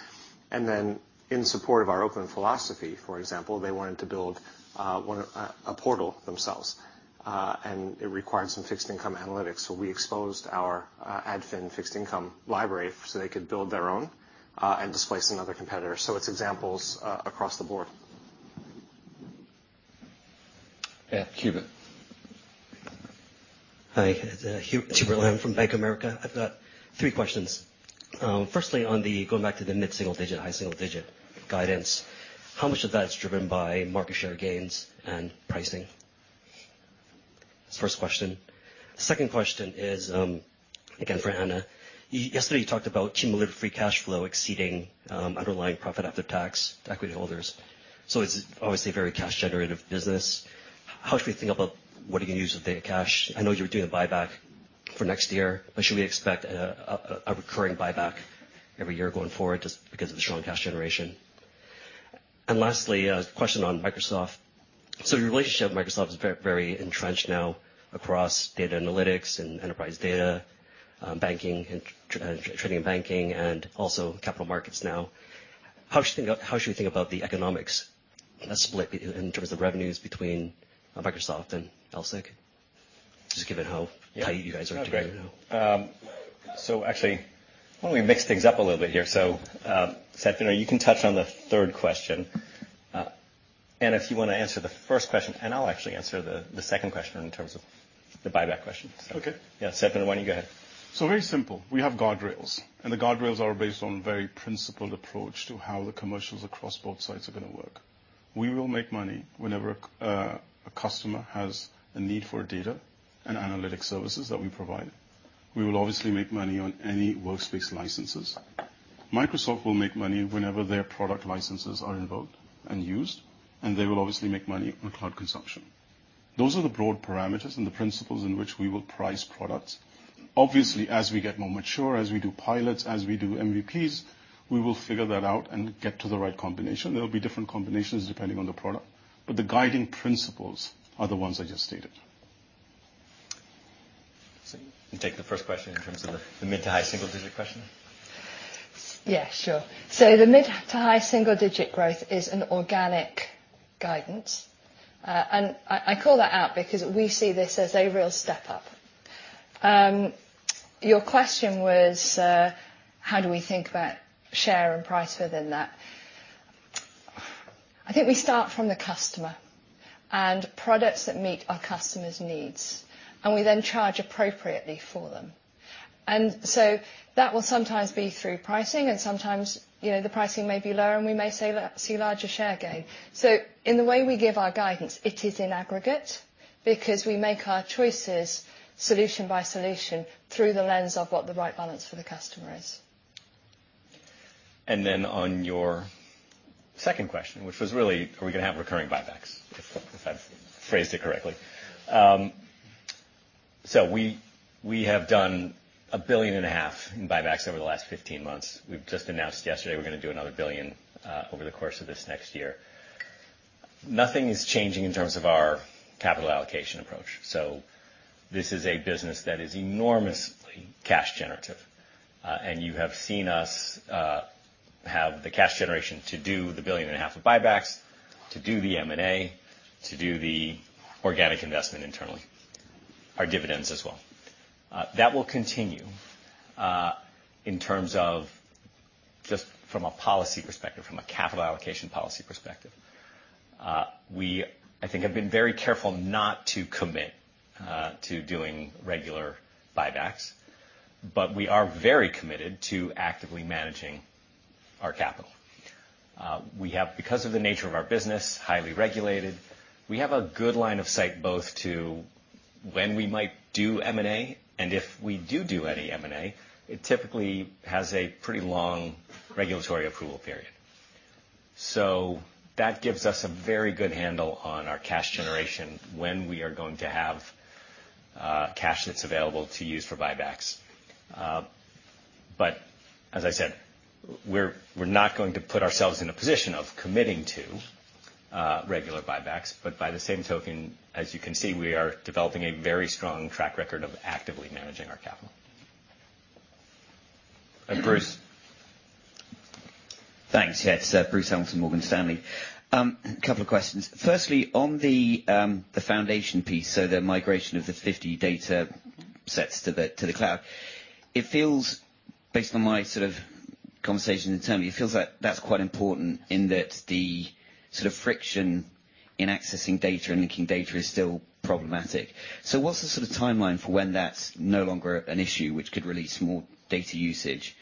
S5: And then in support of our open philosophy, for example, they wanted to build own a portal themselves. And it required some fixed income analytics. So we exposed our Adfin fixed income library so they could build their own, and displace another competitor. So it's examples across the board. Yeah. Hubert.
S9: Hi, Hubert Lam from Bank of America. I've got three questions. Firstly, on the going back to the mid-single-digit, high-single-digit guidance, how much of that is driven by market share gains and pricing? First question. Second question is, again, for Anna. Yesterday, you talked about cumulative free cash flow exceeding, underlying profit after tax to equity holders. So it's obviously a very cash-generative business. How should we think about what do you use with the cash? I know you're doing a buyback for next year, but should we expect a recurring buyback every year going forward, just because of the strong cash generation? And lastly, a question on Microsoft. So your relationship with Microsoft is very, very entrenched now across Data Analytics and enterprise data, banking, and trading and banking, and also capital markets now. How should we think about the economics that's split in terms of revenues between Microsoft and LSEG? Just given how tight you guys are together now.
S5: Yeah. Great. So actually, why don't we mix things up a little bit here? So, Sat, you know, you can touch on the third question. Anna, if you want to answer the first question, and I'll actually answer the second question in terms of the buyback question.
S1: Okay.
S5: Yeah. Sat, why don't you go ahead?
S1: So very simple. We have guardrails, and the guardrails are based on a very principled approach to how the commercials across both sides are gonna work. We will make money whenever a customer has a need for data and analytic services that we provide. We will obviously make money on any workspace licenses. Microsoft will make money whenever their product licenses are involved and used, and they will obviously make money on cloud consumption. Those are the broad parameters and the principles in which we will price products. Obviously, as we get more mature, as we do pilots, as we do MVPs, we will figure that out and get to the right combination. There will be different combinations depending on the product, but the guiding principles are the ones I just stated.
S5: So you take the first question in terms of the mid to high single digit question.
S7: Yeah, sure. So the mid- to high-single-digit growth is an organic guidance. And I call that out because we see this as a real step up. Your question was, how do we think about share and price within that? I think we start from the customer and products that meet our customer's needs, and we then charge appropriately for them. And so that will sometimes be through pricing, and sometimes, you know, the pricing may be lower, and we may say that we see larger share gain. So in the way we give our guidance, it is in aggregate because we make our choices solution by solution through the lens of what the right balance for the customer is.
S5: And then on your second question, which was really, are we gonna have recurring buybacks, if I've phrased it correctly. So we have done 1.5 billion in buybacks over the last 15 months. We've just announced yesterday we're gonna do another 1 billion over the course of this next year. Nothing is changing in terms of our capital allocation approach. So this is a business that is enormously cash generative, and you have seen us have the cash generation to do the 1.5 billion of buybacks, to do the M&A, to do the organic investment internally, our dividends as well. That will continue in terms of just from a policy perspective, from a capital allocation policy perspective. We, I think, have been very careful not to commit to doing regular buybacks, but we are very committed to actively managing our capital. We have, because of the nature of our business, highly regulated, a good line of sight both to when we might do M&A, and if we do do any M&A, it typically has a pretty long regulatory approval period. So that gives us a very good handle on our cash generation, when we are going to have cash that's available to use for buybacks. But as I said, we're not going to put ourselves in a position of committing to regular buybacks. But by the same token, as you can see, we are developing a very strong track record of actively managing our capital. Bruce?
S10: Thanks. Yes, Bruce Hamilton, Morgan Stanley. Couple of questions. Firstly, on the foundation piece, so the migration of the 50 data sets to the cloud. It feels, based on my sort of conversation with Tony, it feels like that's quite important in that the sort of friction in accessing data and linking data is still problematic. So what's the sort of timeline for when that's no longer an issue, which could release more data usage?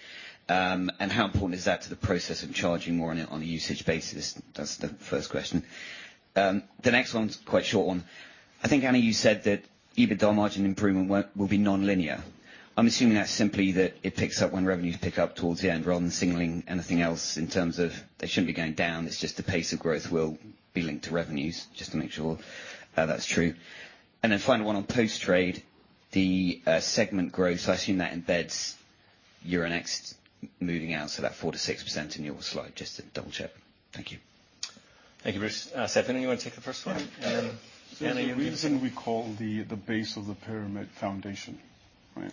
S10: And how important is that to the process of charging more on a usage basis? That's the first question. The next one's quite a short one. I think, Anna, you said that EBITDA margin improvement won't-- will be nonlinear. I'm assuming that's simply that it picks up when revenues pick up towards the end, rather than signaling anything else in terms of they shouldn't be going down. It's just the pace of growth will be linked to revenues. Just to make sure, that's true. And then final one on Post-Trade, the segment growth. So I assume that embeds Euronext moving out, so that 4%-6% in your slide. Just to double-check. Thank you.
S5: Thank you, Bruce. Satvinder, do you want to take the first one?
S1: Yeah.
S5: And then Anna-
S1: There's a reason we call the base of the pyramid foundation, right?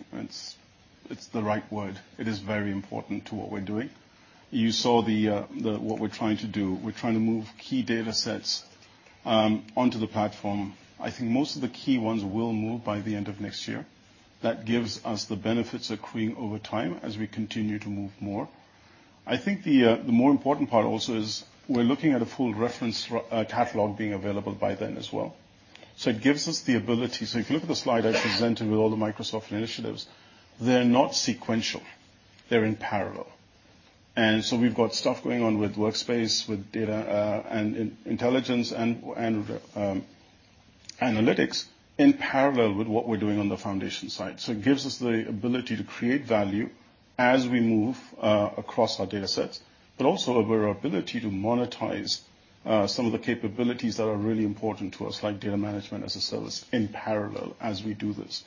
S1: It's the right word. It is very important to what we're doing. You saw what we're trying to do. We're trying to move key data sets onto the platform. I think most of the key ones will move by the end of next year. That gives us the benefits accruing over time as we continue to move more. I think the more important part also is we're looking at a full reference catalog being available by then as well. So it gives us the ability. So if you look at the slide I presented with all the Microsoft initiatives, they're not sequential, they're in parallel. And so we've got stuff going on with Workspace, with data, and intelligence and analytics in parallel with what we're doing on the foundation side. So it gives us the ability to create value as we move across our data sets, but also our ability to monetize some of the capabilities that are really important to us, like Data Management as a Service, in parallel as we do this.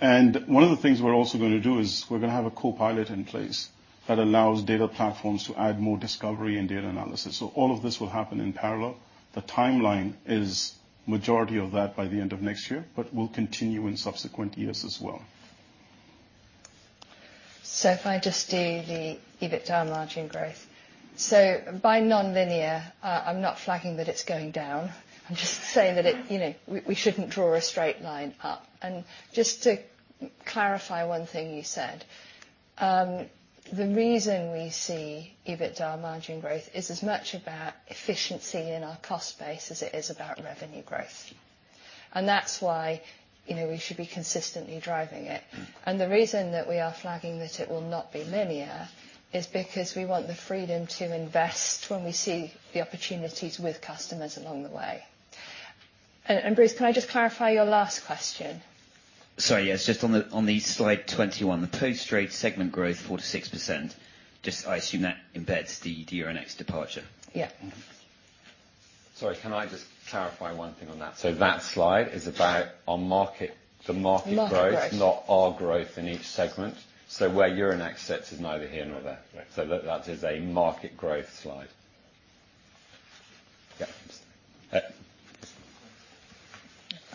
S1: And one of the things we're also gonna do is we're gonna have a Copilot in place that allows data platforms to add more discovery and data analysis. So all of this will happen in parallel. The timeline is majority of that by the end of next year, but will continue in subsequent years as well.
S7: So if I just do the EBITDA margin growth. So by nonlinear, I'm not flagging that it's going down. I'm just saying that it, you know, we, we shouldn't draw a straight line up. And just to clarify one thing you said, the reason we see EBITDA margin growth is as much about efficiency in our cost base as it is about revenue growth. And that's why, you know, we should be consistently driving it. And the reason that we are flagging that it will not be linear is because we want the freedom to invest when we see the opportunities with customers along the way. And, and, Bruce, can I just clarify your last question?
S10: Sorry, yes. Just on the slide 21, the post-trade segment growth, 4%-6%. Just... I assume that embeds the Euronext departure.
S7: Yeah.
S5: Mm-hmm.
S11: Sorry, can I just clarify one thing on that? So that slide is about our market, the market growth-
S7: Market growth...
S11: not our growth in each segment. So where Euronext sits is neither here nor there.
S10: Right.
S11: So that, that is a market growth slide. Yeah.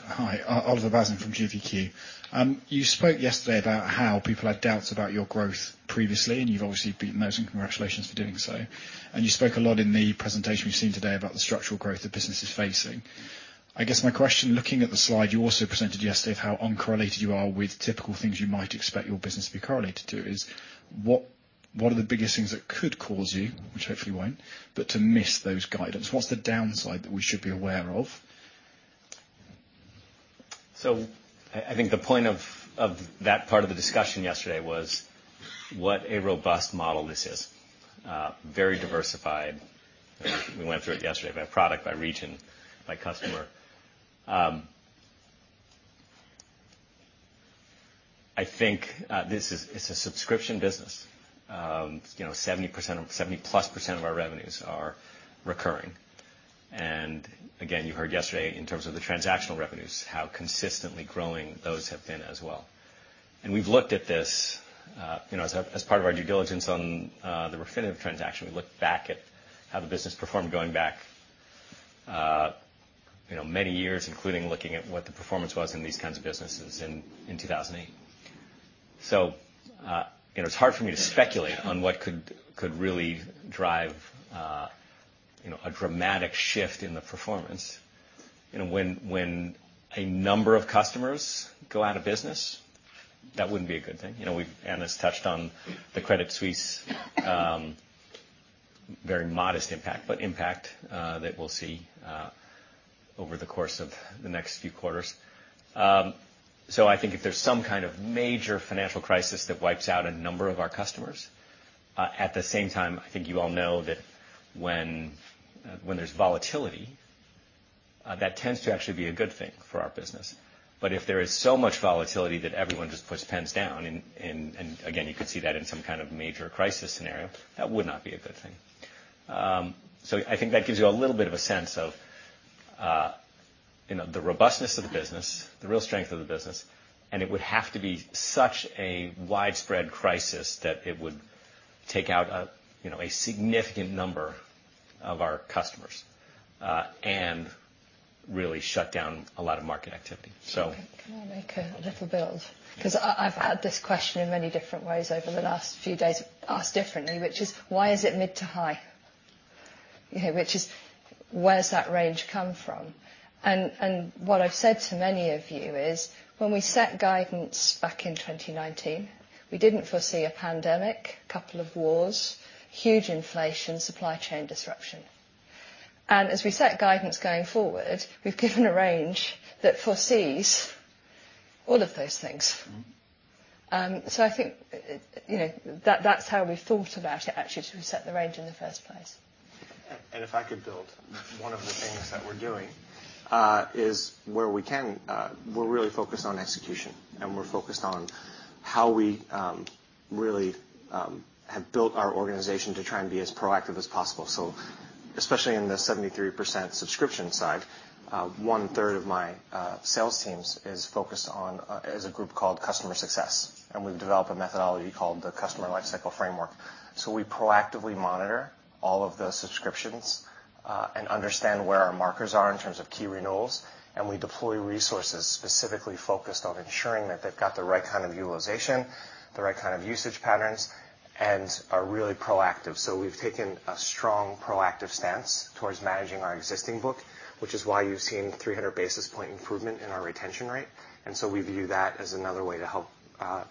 S12: Hi, Oliver Bazin from GS. You spoke yesterday about how people had doubts about your growth previously, and you've obviously beaten those, and congratulations for doing so. And you spoke a lot in the presentation we've seen today about the structural growth the business is facing. I guess my question, looking at the slide you also presented yesterday of how uncorrelated you are with typical things you might expect your business to be correlated to, is what, what are the biggest things that could cause you, which hopefully won't, but to miss those guidance? What's the downside that we should be aware of?
S5: So I think the point of that part of the discussion yesterday was what a robust model this is. Very diversified. We went through it yesterday, by product, by region, by customer. I think this is... It's a subscription business. You know, 70%, 70%+ of our revenues are recurring. And again, you heard yesterday in terms of the transactional revenues, how consistently growing those have been as well. And we've looked at this, you know, as part of our due diligence on the Refinitiv transaction. We looked back at how the business performed going back, you know, many years, including looking at what the performance was in these kinds of businesses in 2008. So, you know, it's hard for me to speculate on what could really drive, you know, a dramatic shift in the performance. You know, when a number of customers go out of business, that wouldn't be a good thing. You know, we've Anna's touched on the Credit Suisse, very modest impact, but impact that we'll see over the course of the next few quarters. So I think if there's some kind of major financial crisis that wipes out a number of our customers. At the same time, I think you all know that when there's volatility that tends to actually be a good thing for our business. But if there is so much volatility that everyone just puts pens down and again, you could see that in some kind of major crisis scenario, that would not be a good thing. So I think that gives you a little bit of a sense of, you know, the robustness of the business, the real strength of the business, and it would have to be such a widespread crisis that it would take out a, you know, a significant number of our customers, and really shut down a lot of market activity so-
S7: Can I make a little build? 'Cause I've had this question in many different ways over the last few days, asked differently, which is: why is it mid to high? You know, which is... Where does that range come from? And what I've said to many of you is, when we set guidance back in 2019, we didn't foresee a pandemic, couple of wars, huge inflation, supply chain disruption. And as we set guidance going forward, we've given a range that foresees all of those things.
S5: Mm-hmm.
S7: So I think, you know, that's how we thought about it, actually, to set the range in the first place.
S13: One of the things that we're doing is where we can, we're really focused on execution, and we're focused on how we really have built our organization to try and be as proactive as possible. So especially in the 73% subscription side, one third of my sales teams is focused on, as a group, called Customer Success. And we've developed a methodology called the Customer Lifecycle Framework. So we proactively monitor all of the subscriptions, and understand where our customers are in terms of key renewals, and we deploy resources specifically focused on ensuring that they've got the right kind of utilization, the right kind of usage patterns, and are really proactive. So we've taken a strong proactive stance towards managing our existing book, which is why you've seen 300 basis point improvement in our retention rate. And so we view that as another way to help,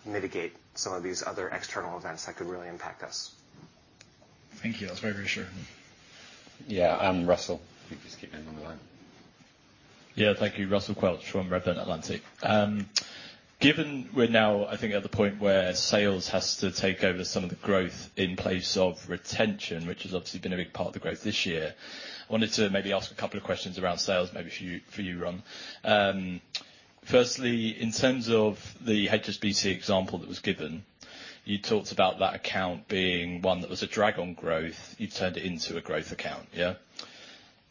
S13: mitigate some of these other external events that could really impact us.
S6: Thank you. That's very reassuring.
S5: Yeah, Russell, if you just keep moving on the line.
S14: Yeah. Thank you. Russell Quelch from Redburn Atlantic. Given we're now, I think, at the point where sales has to take over some of the growth in place of retention, which has obviously been a big part of the growth this year, I wanted to maybe ask a couple of questions around sales, maybe for you, for you, Ron. Firstly, in terms of the HSBC example that was given, you talked about that account being one that was a drag on growth. You've turned it into a growth account, yeah?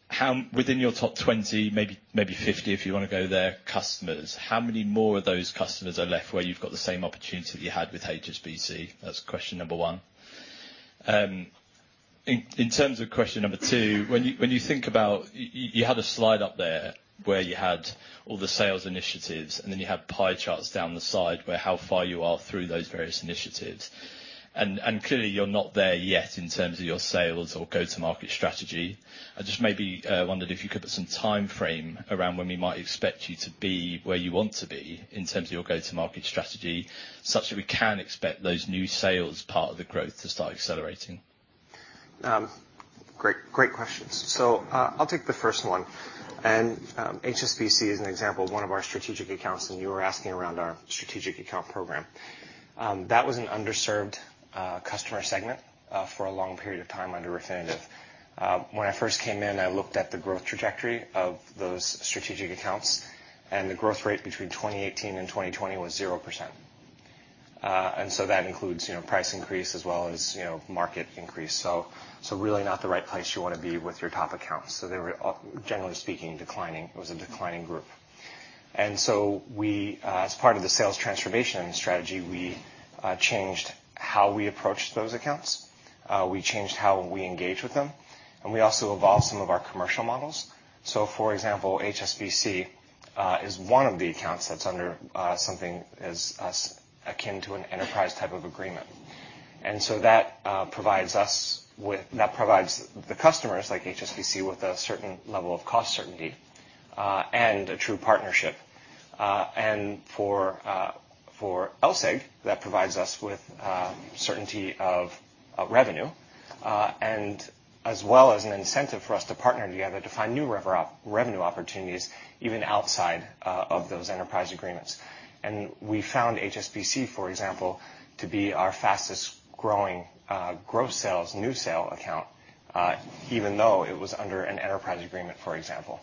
S14: How within your top 20, maybe, maybe 50, if you want to go there, customers, how many more of those customers are left where you've got the same opportunity you had with HSBC? That's question number one. In terms of question number two, when you think about... You had a slide up there where you had all the sales initiatives, and then you had pie charts down the side, where how far you are through those various initiatives. And clearly, you're not there yet in terms of your sales or go-to-market strategy. I just maybe wondered if you could put some timeframe around when we might expect you to be where you want to be in terms of your go-to-market strategy, such that we can expect those new sales part of the growth to start accelerating.
S13: Great, great questions. So, I'll take the first one, and, HSBC is an example of one of our strategic accounts, and you were asking around our strategic account program. That was an underserved customer segment for a long period of time under Refinitiv. When I first came in, I looked at the growth trajectory of those strategic accounts, and the growth rate between 2018 and 2020 was 0%. And so that includes, you know, price increase as well as, you know, market increase. So really not the right place you want to be with your top accounts. So they were generally speaking, declining. It was a declining group. And so we, as part of the sales transformation strategy, we changed how we approached those accounts, we changed how we engage with them, and we also evolved some of our commercial models. So, for example, HSBC is one of the accounts that's under something akin to an enterprise type of agreement. And so that provides us with... That provides the customers, like HSBC, with a certain level of cost certainty and a true partnership. And for LSEG, that provides us with certainty of revenue and as well as an incentive for us to partner together to find new revenue opportunities, even outside of those enterprise agreements. We found HSBC, for example, to be our fastest growing growth sales, new sale account, even though it was under an enterprise agreement, for example.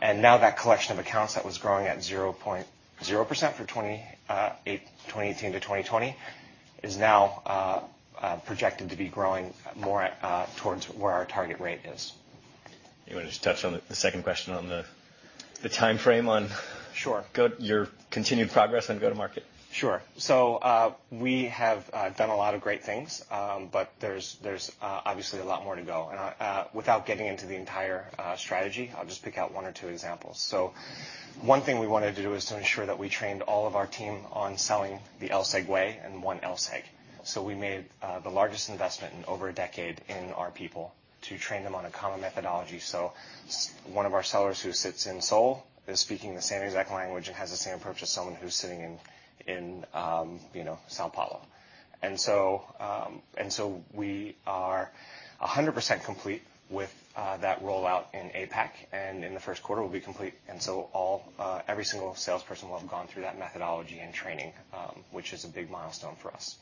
S13: And now that collection of accounts that was growing at 0.0% for 2018 to 2020, is now projected to be growing more towards where our target rate is.
S5: You want to just touch on the second question on the timeframe on-
S13: Sure.
S5: LSEG, your continued progress on go-to-market?
S13: Sure. So, we have done a lot of great things, but there's obviously a lot more to go. And without getting into the entire strategy, I'll just pick out one or two examples. So one thing we wanted to do is to ensure that we trained all of our team on selling the LSEG way and one LSEG. So we made the largest investment in over a decade in our people to train them on a common methodology. So one of our sellers who sits in Seoul is speaking the same exact language and has the same approach as someone who's sitting in, you know, São Paulo. And so we are 100% complete with that rollout in APAC, and in the first quarter, we'll be complete. And so all, every single salesperson will have gone through that methodology and training, which is a big milestone for us.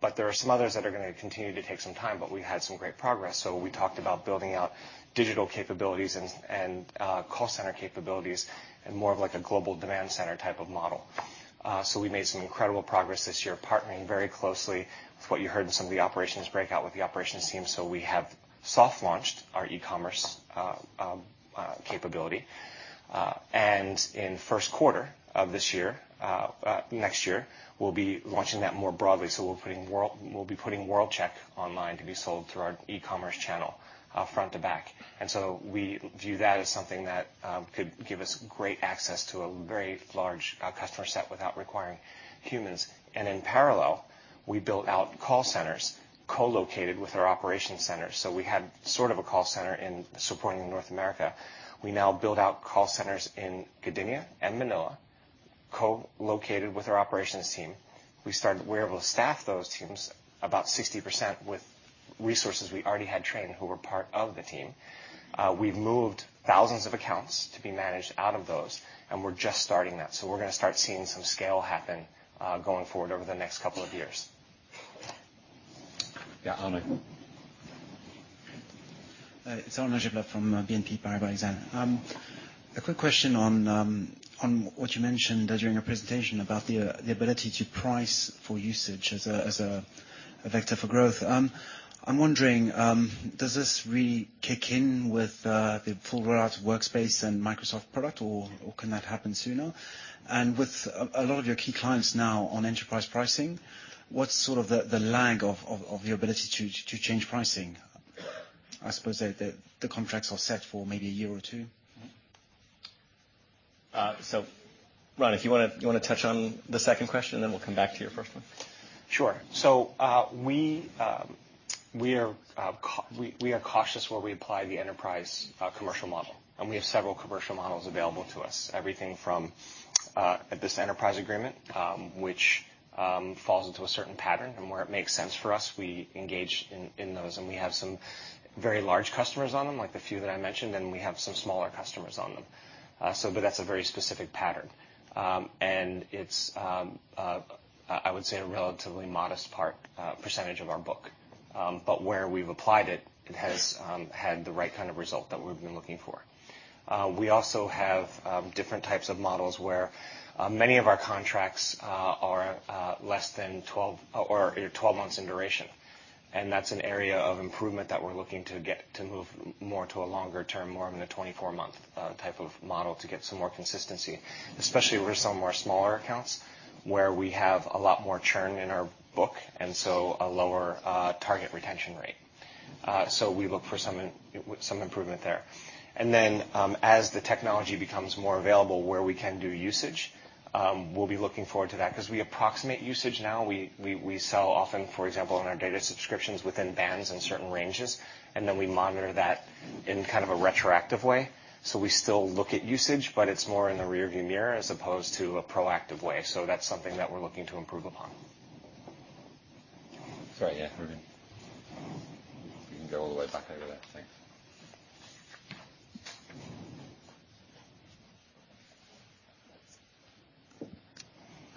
S13: But there are some others that are going to continue to take some time, but we've had some great progress. So we talked about building out digital capabilities and call center capabilities, and more of like a global demand center type of model. So we made some incredible progress this year, partnering very closely with what you heard in some of the operations breakout with the operations team. So we have soft launched our e-commerce capability. And in first quarter of this year, next year, we'll be launching that more broadly. So we'll be putting World-Check online to be sold through our e-commerce channel, front to back. And so we view that as something that could give us great access to a very large customer set without requiring humans. And in parallel, we built out call centers co-located with our operations center. So we had sort of a call center in supporting North America. We now build out call centers in Gdynia and Manila, co-located with our operations team. We're able to staff those teams about 60% with resources we already had trained, who were part of the team. We've moved thousands of accounts to be managed out of those, and we're just starting that. So we're gonna start seeing some scale happen going forward over the next couple of years.
S5: Yeah, Arnaud.
S15: Hi, it's Arnaud Giblat from BNP Paribas Exane. A quick question on what you mentioned during your presentation about the ability to price for usage as a vector for growth. I'm wondering, does this really kick in with the full rollout of Workspace and Microsoft product, or can that happen sooner? And with a lot of your key clients now on enterprise pricing, what's sort of the lag of your ability to change pricing? I suppose the contracts are set for maybe a year or two.
S5: So, Ron, if you wanna touch on the second question, and then we'll come back to your first one.
S13: Sure. So, we are cautious where we apply the enterprise commercial model, and we have several commercial models available to us. Everything from this enterprise agreement, which falls into a certain pattern, and where it makes sense for us, we engage in those. And we have some very large customers on them, like the few that I mentioned, and we have some smaller customers on them. So but that's a very specific pattern. And it's, I would say, a relatively modest part percentage of our book. But where we've applied it, it has had the right kind of result that we've been looking for. We also have different types of models, where many of our contracts are less than 12- or 12 months in duration. And that's an area of improvement that we're looking to get to move more to a longer term, more of a 24-month type of model, to get some more consistency. Especially with some of our smaller accounts, where we have a lot more churn in our book, and so a lower target retention rate. So we look for some improvement there. And then, as the technology becomes more available, where we can do usage, we'll be looking forward to that. 'Cause we approximate usage now. We sell often, for example, in our data subscriptions, within bands in certain ranges, and then we monitor that in kind of a retroactive way. We still look at usage, but it's more in the rear view mirror as opposed to a proactive way. That's something that we're looking to improve upon.
S5: Sorry, yeah, Haroon. You can go all the way back over there, thanks.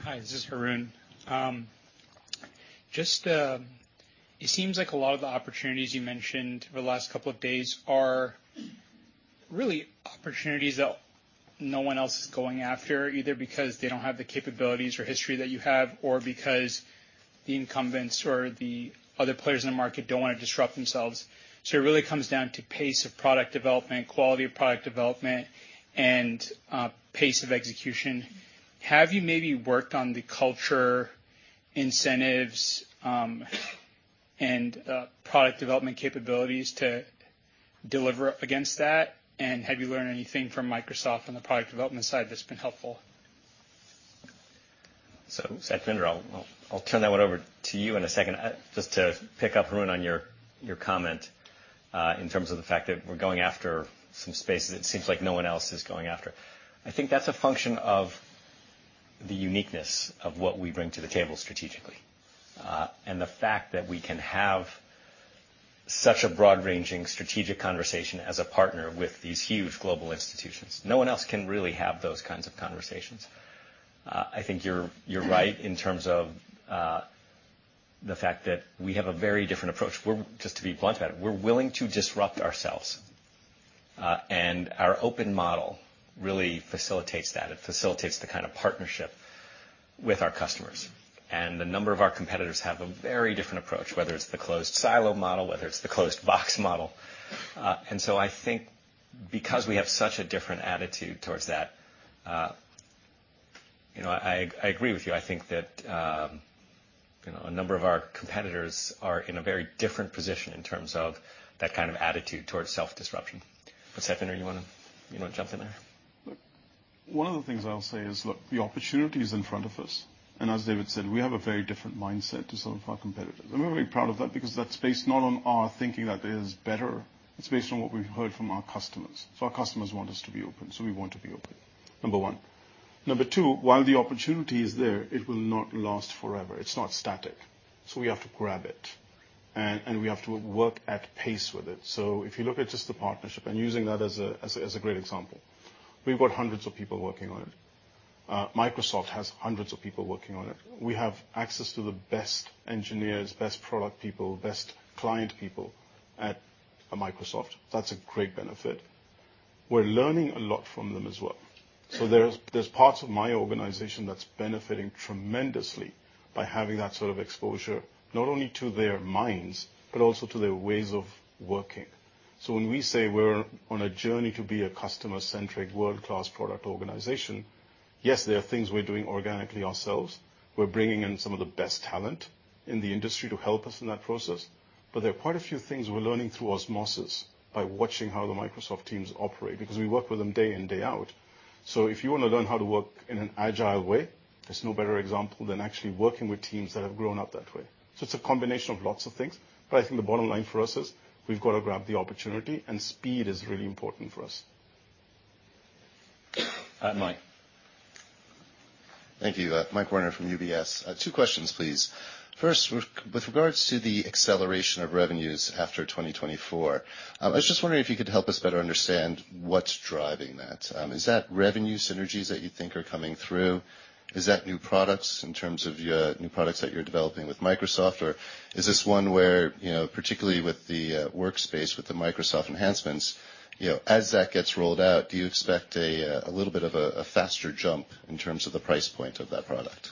S16: Hi, this is Haroon. Just, it seems like a lot of the opportunities you mentioned over the last couple of days are really opportunities that no one else is going after, either because they don't have the capabilities or history that you have, or because the incumbents or the other players in the market don't want to disrupt themselves. So it really comes down to pace of product development, quality of product development, and pace of execution. Have you maybe worked on the culture incentives, and product development capabilities to deliver against that? And have you learned anything from Microsoft on the product development side that's been helpful?
S5: So, Satvinder, I'll turn that one over to you in a second. Just to pick up, Haroon, on your comment, in terms of the fact that we're going after some spaces, it seems like no one else is going after. I think that's a function of the uniqueness of what we bring to the table strategically. And the fact that we can have such a broad-ranging strategic conversation as a partner with these huge global institutions. No one else can really have those kinds of conversations. I think you're right in terms of the fact that we have a very different approach. We're, just to be blunt about it, willing to disrupt ourselves. And our open model really facilitates that. It facilitates the kind of partnership with our customers, and a number of our competitors have a very different approach, whether it's the closed silo model, whether it's the closed box model. And so I think because we have such a different attitude towards that, you know, I, I agree with you. I think that, you know, a number of our competitors are in a very different position in terms of that kind of attitude towards self-disruption. But Satvinder, you wanna, you wanna jump in there?
S1: One of the things I'll say is, look, the opportunity is in front of us, and as David said, we have a very different mindset to some of our competitors. We're very proud of that, because that's based not on our thinking that it is better, it's based on what we've heard from our customers. Our customers want us to be open, so we want to be open, number one. Number two, while the opportunity is there, it will not last forever. It's not static. We have to grab it, and we have to work at pace with it. If you look at just the partnership, using that as a great example-... We've got hundreds of people working on it. Microsoft has hundreds of people working on it. We have access to the best engineers, best product people, best client people at Microsoft. That's a great benefit. We're learning a lot from them as well. So there's parts of my organization that's benefiting tremendously by having that sort of exposure, not only to their minds, but also to their ways of working. So when we say we're on a journey to be a customer-centric, world-class product organization, yes, there are things we're doing organically ourselves. We're bringing in some of the best talent in the industry to help us in that process, but there are quite a few things we're learning through osmosis, by watching how the Microsoft teams operate, because we work with them day in, day out. So if you wanna learn how to work in an agile way, there's no better example than actually working with teams that have grown up that way. So it's a combination of lots of things, but I think the bottom line for us is, we've gotta grab the opportunity, and speed is really important for us.
S5: And Mike.
S17: Thank you. Michael Werner from UBS. Two questions, please. First, with regards to the acceleration of revenues after 2024, I was just wondering if you could help us better understand what's driving that. Is that revenue synergies that you think are coming through? Is that new products in terms of your new products that you're developing with Microsoft? Or is this one where, you know, particularly with the workspace, with the Microsoft enhancements, you know, as that gets rolled out, do you expect a little bit of a faster jump in terms of the price point of that product?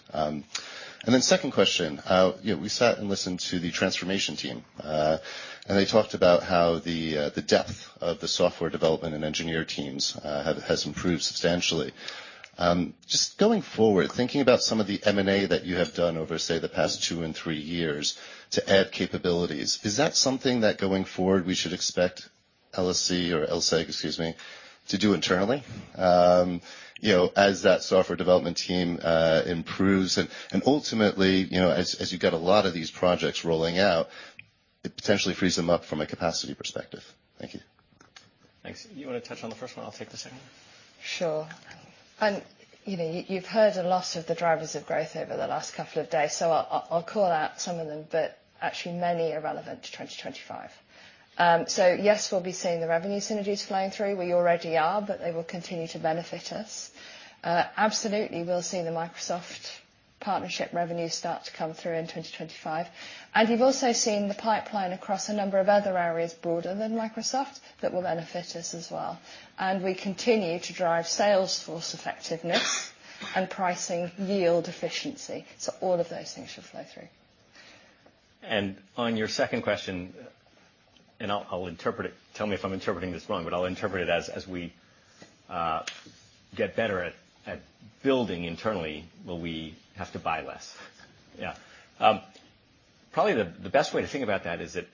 S17: And then second question, you know, we sat and listened to the transformation team, and they talked about how the depth of the software development and engineer teams has improved substantially. Just going forward, thinking about some of the M&A that you have done over, say, the past 2 and 3 years to add capabilities, is that something that, going forward, we should expect LSEG, excuse me, to do internally? You know, as that software development team improves and, and ultimately, you know, as, as you get a lot of these projects rolling out, it potentially frees them up from a capacity perspective. Thank you.
S5: Thanks. You wanna touch on the first one? I'll take the second.
S7: Sure. And, you know, you've heard a lot of the drivers of growth over the last couple of days, so I'll call out some of them, but actually many are relevant to 2025. So yes, we'll be seeing the revenue synergies flowing through. We already are, but they will continue to benefit us. Absolutely, we'll see the Microsoft partnership revenue start to come through in 2025, and we've also seen the pipeline across a number of other areas broader than Microsoft that will benefit us as well. And we continue to drive sales force effectiveness and pricing yield efficiency. So all of those things should flow through.
S5: On your second question, and I'll interpret it. Tell me if I'm interpreting this wrong, but I'll interpret it as, as we get better at building internally, will we have to buy less? Yeah. Probably the best way to think about that is that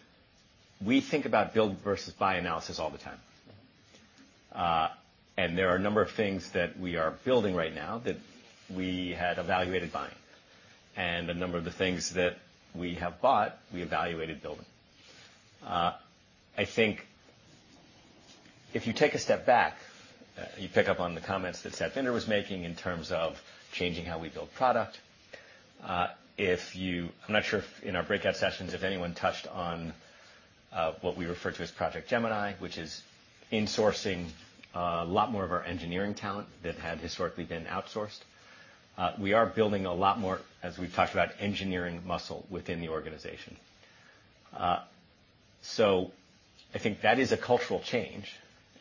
S5: we think about build versus buy analysis all the time. And there are a number of things that we are building right now that we had evaluated buying, and a number of the things that we have bought, we evaluated building. I think if you take a step back, you pick up on the comments that Satvinder was making in terms of changing how we build product. If you... I'm not sure if in our breakout sessions, if anyone touched on what we refer to as Project Gemini, which is insourcing a lot more of our engineering talent that had historically been outsourced. We are building a lot more, as we've talked about, engineering muscle within the organization. So I think that is a cultural change,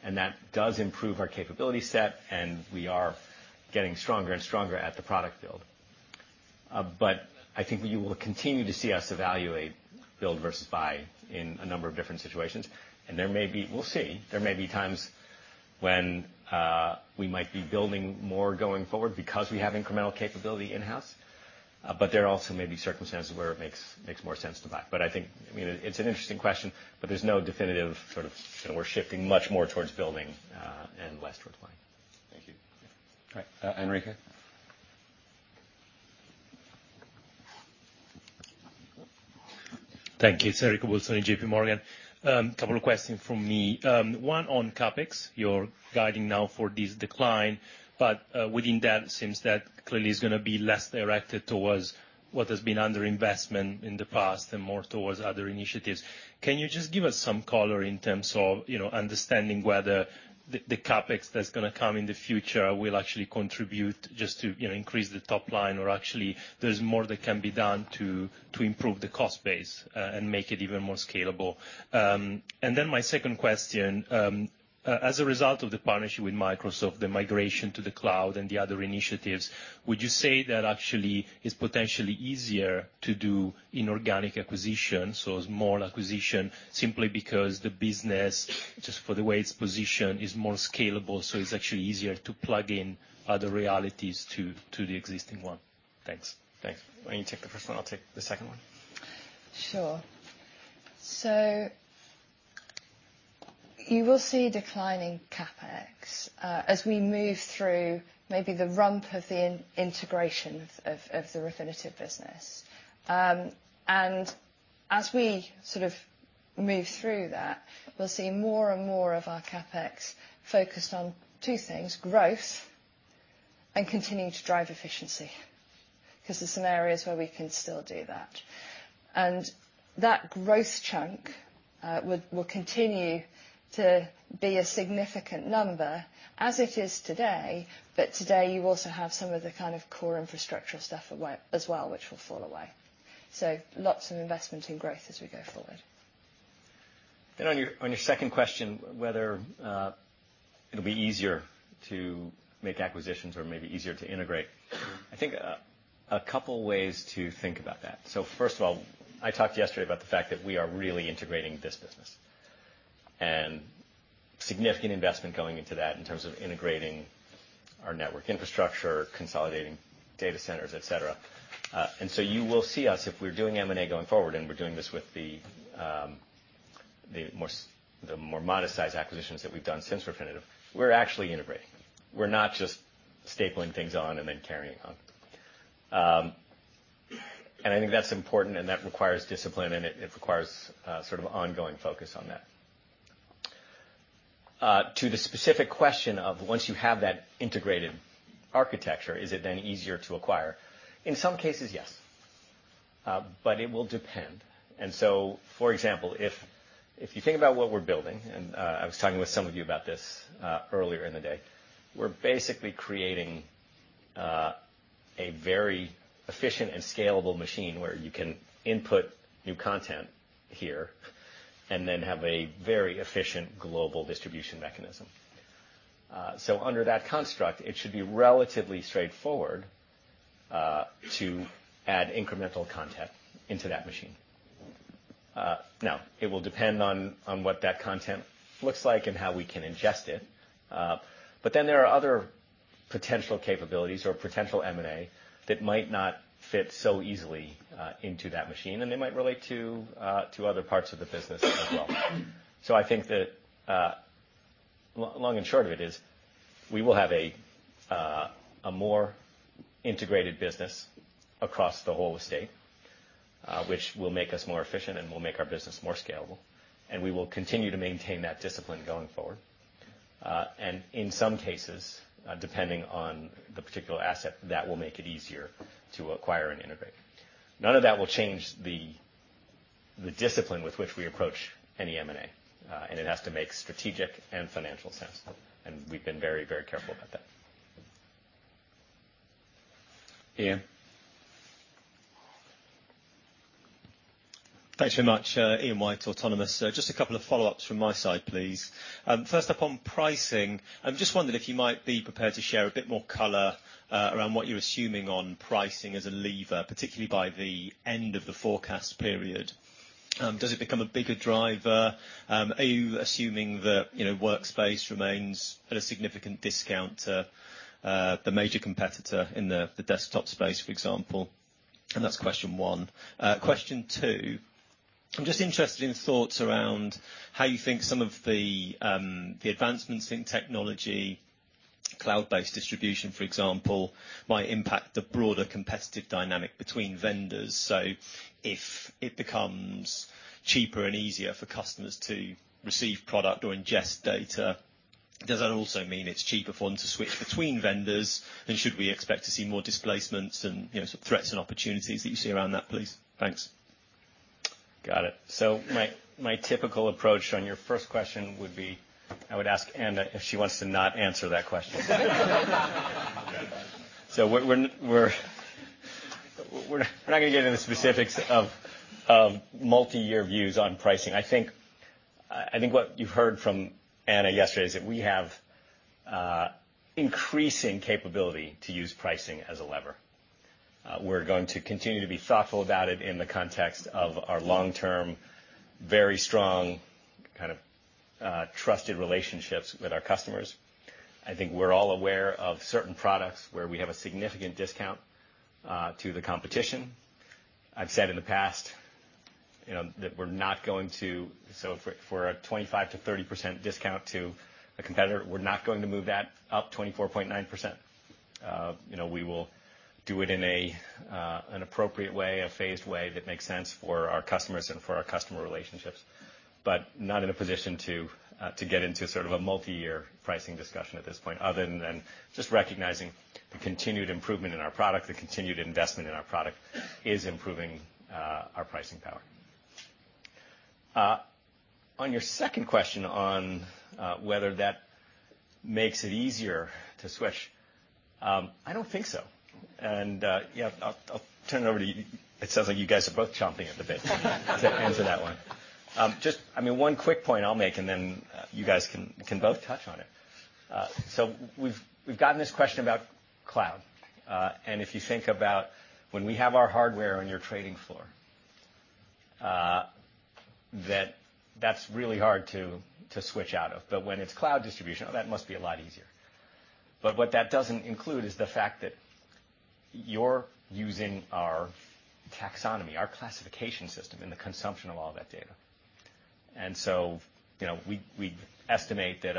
S5: and that does improve our capability set, and we are getting stronger and stronger at the product build. But I think you will continue to see us evaluate, build versus buy in a number of different situations. And there may be... We'll see. There may be times when we might be building more going forward because we have incremental capability in-house, but there also may be circumstances where it makes, makes more sense to buy. But I think, I mean, it's an interesting question, but there's no definitive sort of, "We're shifting much more towards building, and less towards buying.
S17: Thank you.
S5: All right. Enrico?
S18: Thank you. It's Enrico Bolzoni from JP Morgan. Couple of questions from me. One on CapEx. You're guiding now for this decline, but within that, it seems that clearly is gonna be less directed towards what has been under investment in the past and more towards other initiatives. Can you just give us some color in terms of, you know, understanding whether the, the CapEx that's gonna come in the future will actually contribute just to, you know, increase the top line, or actually, there's more that can be done to, to improve the cost base, and make it even more scalable?
S1: And then my second question, as a result of the partnership with Microsoft, the migration to the cloud and the other initiatives, would you say that actually it's potentially easier to do inorganic acquisition, so small acquisition, simply because the business, just for the way it's positioned, is more scalable, so it's actually easier to plug in other realities to the existing one? Thanks.
S5: Thanks. Why don't you take the first one? I'll take the second one.
S7: Sure. So you will see declining CapEx as we move through maybe the rump of the integration of the Refinitiv business. And as we sort of move through that, we'll see more and more of our CapEx focused on two things, growth and continuing to drive efficiency, because there are some areas where we can still do that. And that growth chunk will continue to be a significant number as it is today. But today, you also have some of the kind of core infrastructure stuff at work as well, which will fall away. So lots of investment in growth as we go forward.
S5: Then on your second question, whether it'll be easier to make acquisitions or maybe easier to integrate. I think a couple ways to think about that. So first of all, I talked yesterday about the fact that we are really integrating this business, and significant investment going into that in terms of integrating our network infrastructure, consolidating data centers, et cetera. And so you will see us if we're doing M&A going forward, and we're doing this with the more modest size acquisitions that we've done since Refinitiv. We're actually integrating. We're not just stapling things on and then carrying on. And I think that's important, and that requires discipline, and it requires sort of ongoing focus on that. To the specific question of once you have that integrated architecture, is it then easier to acquire? In some cases, yes, but it will depend. And so, for example, if you think about what we're building, and I was talking with some of you about this earlier in the day, we're basically creating a very efficient and scalable machine where you can input new content here, and then have a very efficient global distribution mechanism. So under that construct, it should be relatively straightforward to add incremental content into that machine. Now, it will depend on what that content looks like and how we can ingest it. But then there are other potential capabilities or potential M&A that might not fit so easily into that machine, and they might relate to other parts of the business as well. So I think that, long and short of it is, we will have a more integrated business across the whole estate, which will make us more efficient and will make our business more scalable, and we will continue to maintain that discipline going forward. And in some cases, depending on the particular asset, that will make it easier to acquire and integrate. None of that will change the discipline with which we approach any M&A, and it has to make strategic and financial sense, and we've been very, very careful about that. Ian?
S19: Thanks very much, Ian White, Autonomous. So just a couple of follow-ups from my side, please. First up, on pricing, I'm just wondering if you might be prepared to share a bit more color around what you're assuming on pricing as a lever, particularly by the end of the forecast period. Does it become a bigger driver? Are you assuming that, you know, Workspace remains at a significant discount to the major competitor in the desktop space, for example? And that's question one. Question two, I'm just interested in thoughts around how you think some of the advancements in technology, cloud-based distribution, for example, might impact the broader competitive dynamic between vendors. So if it becomes cheaper and easier for customers to receive product or ingest data, does that also mean it's cheaper for them to switch between vendors? Should we expect to see more displacements and, you know, some threats and opportunities that you see around that, please? Thanks.
S5: Got it. So my typical approach on your first question would be, I would ask Anna if she wants to not answer that question. So we're not gonna get into the specifics of multi-year views on pricing. I think what you've heard from Anna yesterday is that we have increasing capability to use pricing as a lever. We're going to continue to be thoughtful about it in the context of our long-term, very strong, kind of, trusted relationships with our customers. I think we're all aware of certain products where we have a significant discount to the competition. I've said in the past, you know, that we're not going to... So for a 25%-30% discount to a competitor, we're not going to move that up 24.9%. You know, we will do it in a, an appropriate way, a phased way that makes sense for our customers and for our customer relationships, but not in a position to, to get into sort of a multi-year pricing discussion at this point, other than just recognizing the continued improvement in our product. The continued investment in our product is improving, our pricing power. On your second question on, whether that makes it easier to switch, I don't think so. And, yeah, I'll, I'll turn it over to you. It sounds like you guys are both chomping at the bit to answer that one. Just, I mean, one quick point I'll make, and then you guys can, can both touch on it. So we've gotten this question about cloud, and if you think about when we have our hardware on your trading floor, that that's really hard to switch out of, but when it's cloud distribution, oh, that must be a lot easier. But what that doesn't include is the fact that you're using our taxonomy, our classification system in the consumption of all that data. And so, you know, we estimate that,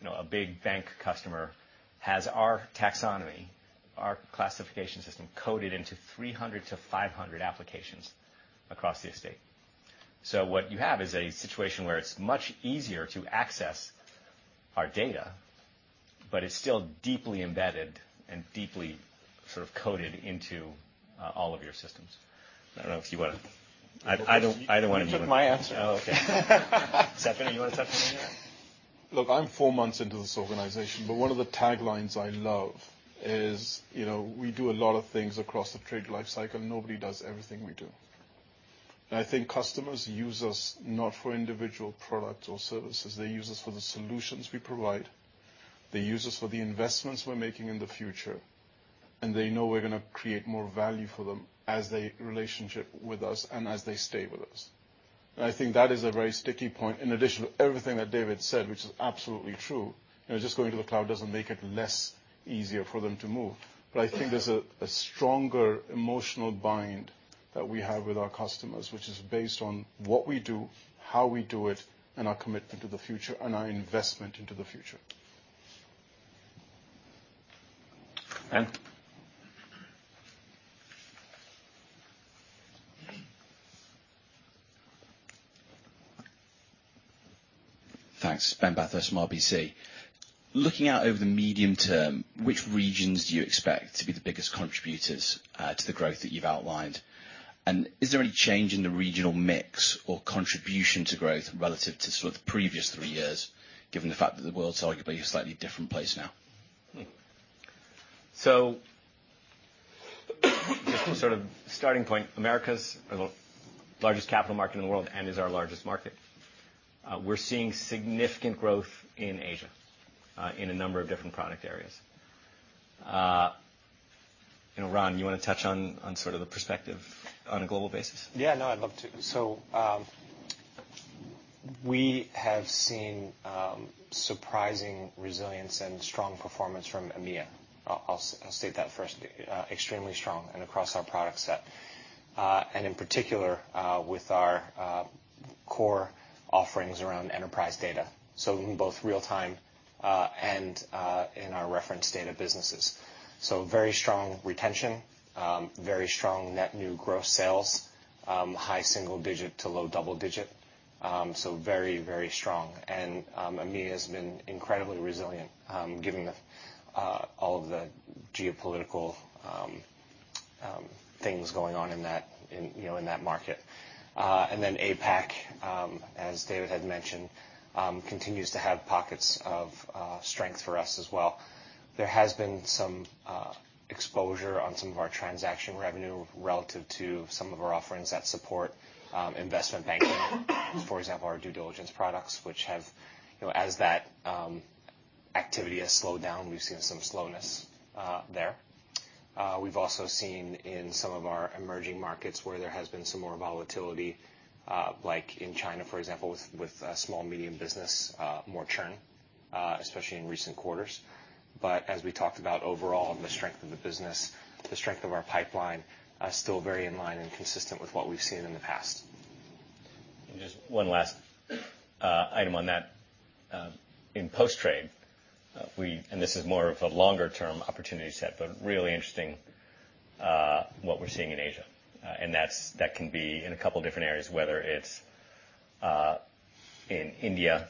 S5: you know, a big bank customer has our taxonomy, our classification system, coded into 300-500 applications across the estate... So what you have is a situation where it's much easier to access our data, but it's still deeply embedded and deeply sort of coded into all of your systems. I don't know if you wanna- I don't want to-
S13: You took my answer.
S5: Oh, okay. Stephanie, you wanna touch on anything?
S1: Look, I'm four months into this organization, but one of the taglines I love is, you know, we do a lot of things across the trade life cycle. Nobody does everything we do. And I think customers use us not for individual products or services; they use us for the solutions we provide. They use us for the investments we're making in the future, and they know we're gonna create more value for them as their relationship with us and as they stay with us. And I think that is a very sticky point. In addition to everything that David said, which is absolutely true, you know, just going to the cloud doesn't make it any easier for them to move. I think there's a stronger emotional bind that we have with our customers, which is based on what we do, how we do it, and our commitment to the future and our investment into the future.
S5: Ben?
S20: Thanks. Ben Bathurst from RBC. Looking out over the medium term, which regions do you expect to be the biggest contributors to the growth that you've outlined? And is there any change in the regional mix or contribution to growth relative to sort of the previous three years, given the fact that the world's arguably a slightly different place now?
S5: Just sort of starting point, Americas are the largest capital market in the world and is our largest market. We're seeing significant growth in Asia, in a number of different product areas. You know, Ron, you wanna touch on, on sort of the perspective on a global basis?
S13: Yeah, no, I'd love to. So, we have seen, surprising resilience and strong performance from EMEA. I'll, I'll state that first, extremely strong and across our product set. And in particular, with our, core offerings around enterprise data, so in both real-time, and, in our reference data businesses. So very strong retention, very strong net new gross sales, high single digit to low double digit. So very, very strong. And, EMEA has been incredibly resilient, given the, all of the geopolitical, things going on in that in, you know, in that market. And then APAC, as David had mentioned, continues to have pockets of, strength for us as well. There has been some exposure on some of our transaction revenue relative to some of our offerings that support investment banking. For example, our due diligence products, which have... You know, as that activity has slowed down, we've seen some slowness there. We've also seen in some of our emerging markets, where there has been some more volatility, like in China, for example, with small medium business more churn, especially in recent quarters. But as we talked about overall, the strength of the business, the strength of our pipeline, are still very in line and consistent with what we've seen in the past.
S5: Just one last item on that. In post-trade, this is more of a longer term opportunity set, but really interesting what we're seeing in Asia. That's—that can be in a couple of different areas, whether it's in India,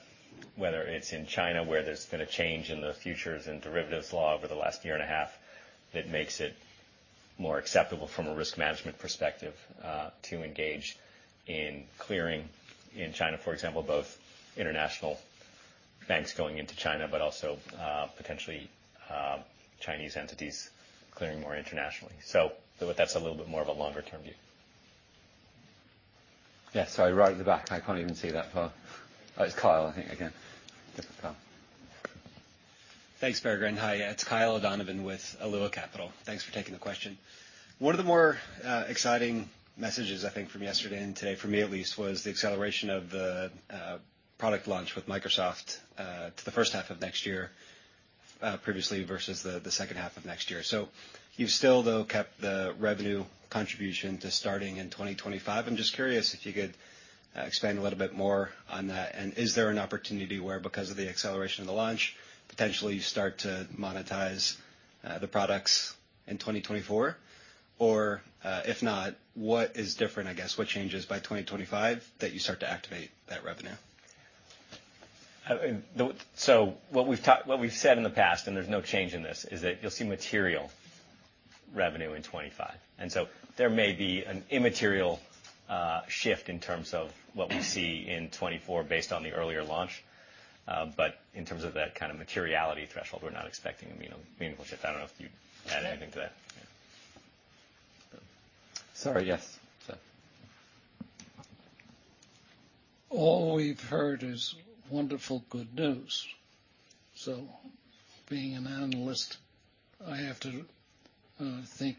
S5: whether it's in China, where there's been a change in the futures and derivatives law over the last year and a half that makes it more acceptable from a risk management perspective to engage in clearing. In China, for example, both international banks going into China, but also potentially Chinese entities clearing more internationally. So but that's a little bit more of a longer term view.
S4: Yes, so right at the back. I can't even see that far. Oh, it's Kyle, I think, again. Yep, it's Kyle.
S21: Thanks, Ben. Hi, it's Kyle O'Donnell with Alua Capital. Thanks for taking the question. One of the more exciting messages, I think, from yesterday and today, for me at least, was the acceleration of the product launch with Microsoft to the first half of next year, previously, versus the second half of next year. So you've still, though, kept the revenue contribution to starting in 2025. I'm just curious if you could expand a little bit more on that, and is there an opportunity where, because of the acceleration of the launch, potentially you start to monetize the products in 2024? Or, if not, what is different, I guess? What changes by 2025, that you start to activate that revenue?
S5: The-- so what we've talked-- what we've said in the past, and there's no change in this, is that you'll see material revenue in 2025. And so there may be an immaterial shift in terms of what we see in 2024 based on the earlier launch. But in terms of that kind of materiality threshold, we're not expecting a meaningful shift. I don't know if you'd add anything to that?
S13: Yeah.
S4: Sorry. Yes, sir.
S22: All we've heard is wonderful, good news. So being an analyst, I have to think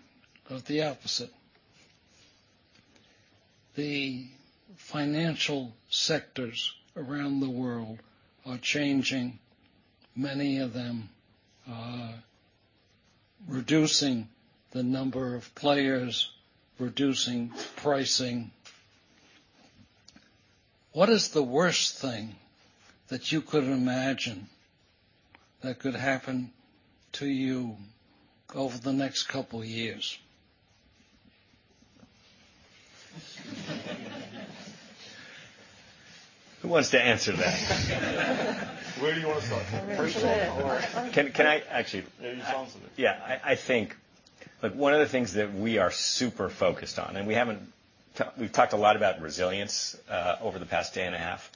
S22: of the opposite. The financial sectors around the world are changing, many of them reducing the number of players, reducing pricing. What is the worst thing that you could imagine that could happen to you over the next couple years?
S5: Who wants to answer that?
S11: Where do you want to start? First one.
S5: Can I actually-
S11: Yeah, you answer it.
S5: Yeah, I think, like, one of the things that we are super focused on, and we haven't talked a lot about resilience over the past day and a half,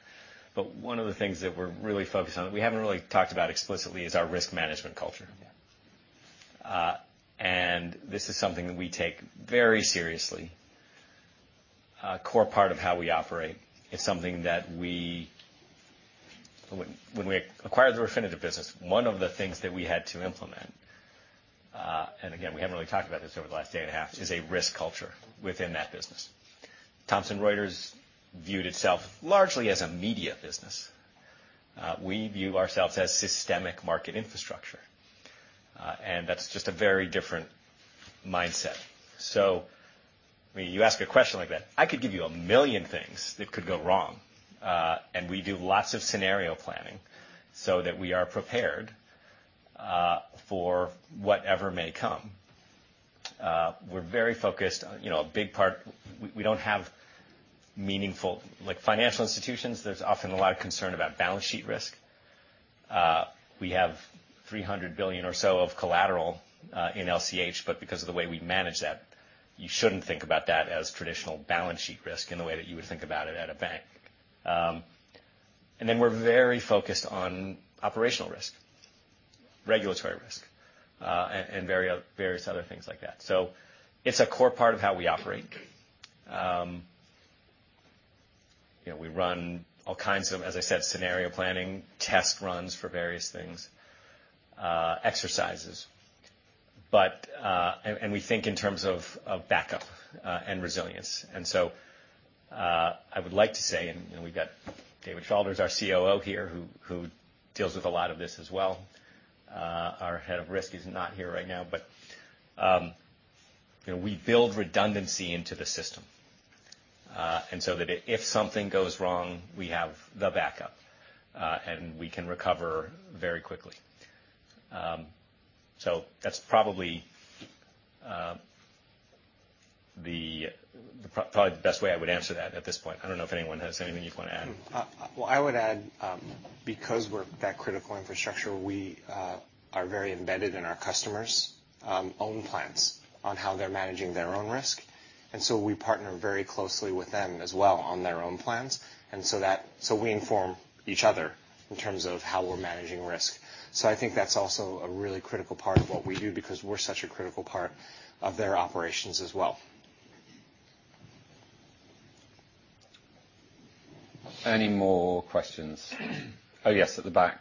S5: but one of the things that we're really focused on, we haven't really talked about explicitly, is our risk management culture. And this is something that we take very seriously. A core part of how we operate. It's something that we... When we acquired the Refinitiv business, one of the things that we had to implement, and again, we haven't really talked about this over the last day and a half, is a risk culture within that business. Thomson Reuters viewed itself largely as a media business. We view ourselves as systemic market infrastructure, and that's just a very different mindset. So when you ask a question like that, I could give you a million things that could go wrong, and we do lots of scenario planning so that we are prepared for whatever may come. We're very focused on, you know, a big part, we, we don't have meaningful. Like, financial institutions, there's often a lot of concern about balance sheet risk. We have 300 billion or so of collateral in LCH, but because of the way we manage that, you shouldn't think about that as traditional balance sheet risk in the way that you would think about it at a bank. And then we're very focused on operational risk, regulatory risk, and, and very various other things like that. So it's a core part of how we operate. We run all kinds of, as I said, scenario planning, test runs for various things, exercises. But and we think in terms of backup and resilience. And so I would like to say, and we've got David Shalders, our COO here, who deals with a lot of this as well. Our Head of Risk is not here right now, but you know, we build redundancy into the system, and so that if something goes wrong, we have the backup, and we can recover very quickly. So that's probably the best way I would answer that at this point. I don't know if anyone has anything you'd want to add.
S13: Well, I would add, because we're that critical infrastructure, we are very embedded in our customers' own plans on how they're managing their own risk, and so we partner very closely with them as well on their own plans, and so we inform each other in terms of how we're managing risk. So I think that's also a really critical part of what we do, because we're such a critical part of their operations as well.
S11: Any more questions? Oh, yes, at the back.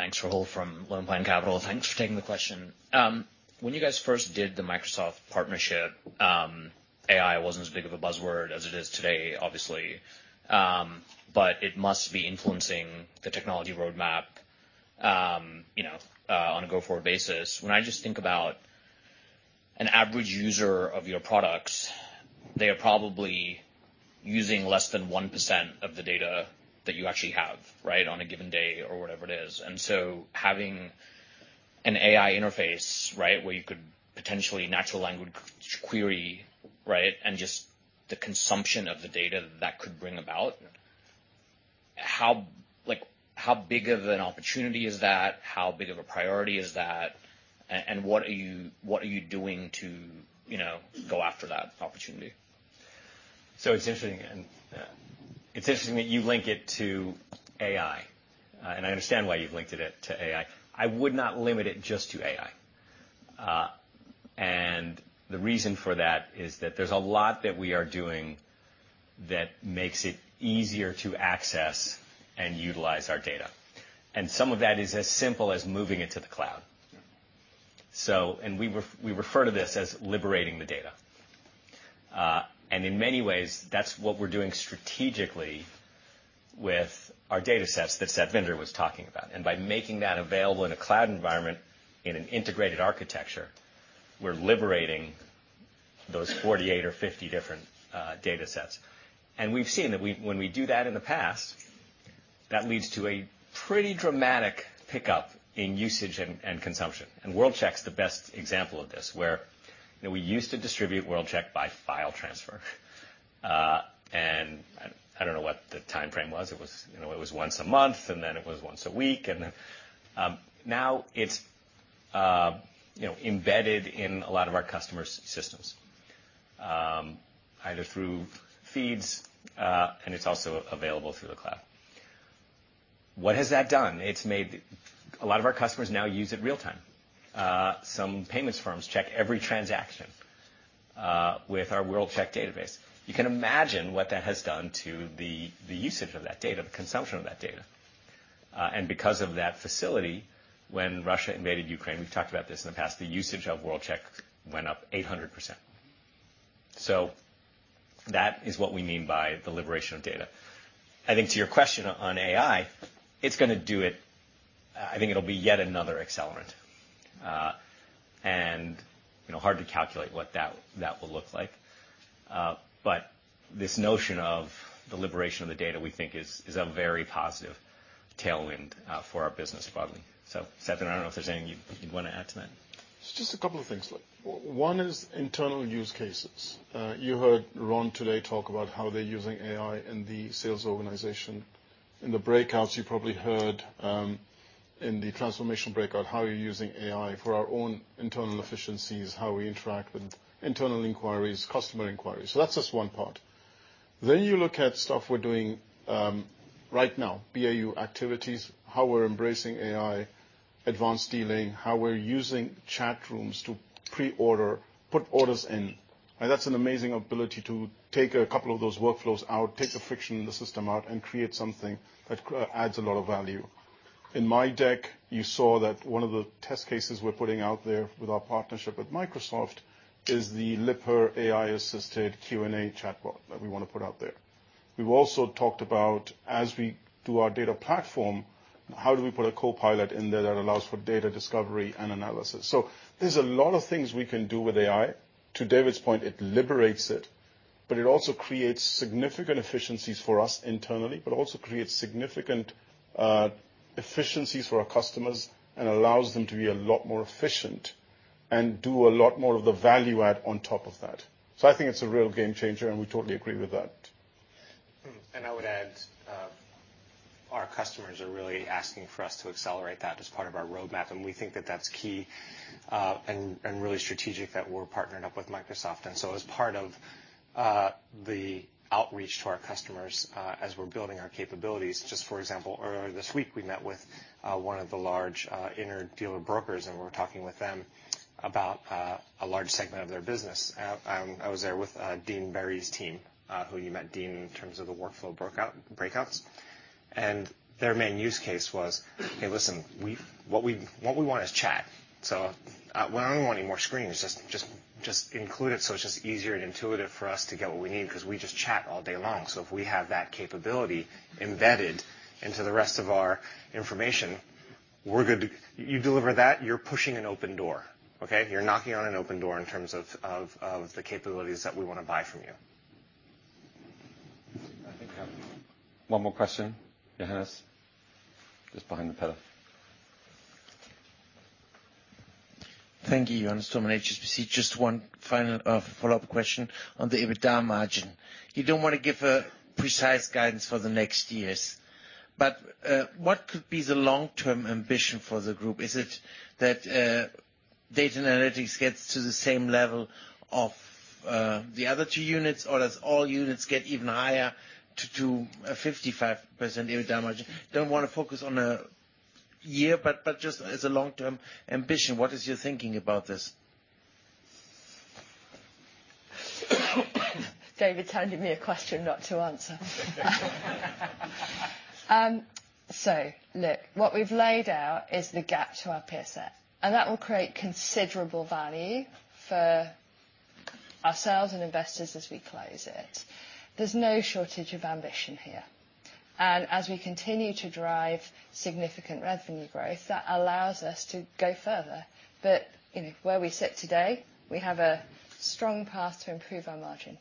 S11: Thank you.
S23: Thanks, Rahul, from Lone Pine Capital. Thanks for taking the question. When you guys first did the Microsoft partnership, AI wasn't as big of a buzzword as it is today, obviously, but it must be influencing the technology roadmap, you know, on a go-forward basis. When I just think about an average user of your products, they are probably using less than 1% of the data that you actually have, right? On a given day or whatever it is. And so having an AI interface, right, where you could potentially natural language query, right, and just the consumption of the data that could bring about, how, like, how big of an opportunity is that? How big of a priority is that? And what are you, what are you doing to, you know, go after that opportunity?
S5: So it's interesting, and it's interesting that you link it to AI. And I understand why you've linked it to AI. I would not limit it just to AI. And the reason for that is that there's a lot that we are doing that makes it easier to access and utilize our data. And some of that is as simple as moving it to the cloud. So... And we refer to this as liberating the data. And in many ways, that's what we're doing strategically with our datasets that Satvinder was talking about. And by making that available in a cloud environment, in an integrated architecture, we're liberating those 48 or 50 different datasets. And we've seen that when we do that in the past, that leads to a pretty dramatic pickup in usage and consumption. And World-Check's the best example of this, where, you know, we used to distribute World-Check by file transfer. And I don't know what the timeframe was. It was, you know, it was once a month, and then it was once a week, and then now it's, you know, embedded in a lot of our customers' systems, either through feeds, and it's also available through the cloud. What has that done? It's made... A lot of our customers now use it real-time. Some payments firms check every transaction with our World-Check database. You can imagine what that has done to the usage of that data, the consumption of that data. And because of that facility, when Russia invaded Ukraine, we've talked about this in the past, the usage of World-Check went up 800%. So that is what we mean by the liberation of data. I think to your question on AI, I think it'll be yet another accelerant. And, you know, hard to calculate what that, that will look like. But this notion of the liberation of the data, we think is, is a very positive tailwind, for our business broadly. So, Sat, I don't know if there's anything you'd, you'd want to add to that.
S1: Just a couple of things. One is internal use cases. You heard Ron today talk about how they're using AI in the sales organization. In the breakouts, you probably heard in the transformation breakout how we're using AI for our own internal efficiencies, how we interact with internal inquiries, customer inquiries. So that's just one part. Then you look at stuff we're doing right now, BAU activities, how we're embracing AI, advanced dealing, how we're using chat rooms to pre-order, put orders in. And that's an amazing ability to take a couple of those Workflows out, take the friction in the system out, and create something that adds a lot of value. In my deck, you saw that one of the test cases we're putting out there with our partnership with Microsoft is the Lipper AI-assisted Q&A chatbot that we want to put out there. We've also talked about, as we do our data platform, how do we put a Copilot in there that allows for data discovery and analysis? So there's a lot of things we can do with AI. To David's point, it liberates it, but it also creates significant efficiencies for us internally, but also creates significant efficiencies for our customers, and allows them to be a lot more efficient and do a lot more of the value add on top of that. So I think it's a real game changer, and we totally agree with that.
S13: Hmm. And I would add, our customers are really asking for us to accelerate that as part of our roadmap, and we think that that's key, and really strategic that we're partnering up with Microsoft. And so as part of the outreach to our customers, as we're building our capabilities... Just, for example, earlier this week, we met with one of the large interdealer brokers, and we were talking with them about a large segment of their business. I was there with Dean Berry's team, who you met Dean, in terms of the workflow breakouts. And their main use case was, "Hey, listen, we've-- what we, what we want is chat. So, we don't want any more screens. Just include it, so it's just easier and intuitive for us to get what we need, 'cause we just chat all day long. So if we have that capability embedded into the rest of our information, we're good to. You deliver that, you're pushing an open door, okay? You're knocking on an open door in terms of the capabilities that we want to buy from you.
S5: I think we have one more question. Johannes, just behind the pillar.
S24: Thank you. Johannes from HSBC. Just one final, follow-up question on the EBITDA margin. You don't want to give a precise guidance for the next years, but, what could be the long-term ambition for the group? Is it that, Data Analytics gets to the same level of, the other two units, or does all units get even higher to do a 55% EBITDA margin? Don't want to focus on a year, but, just as a long-term ambition, what is your thinking about this?
S7: David handed me a question not to answer. Look, what we've laid out is the gap to our peer set, and that will create considerable value for ourselves and investors as we close it. There's no shortage of ambition here, and as we continue to drive significant revenue growth, that allows us to go further. You know, where we sit today, we have a strong path to improve our margin.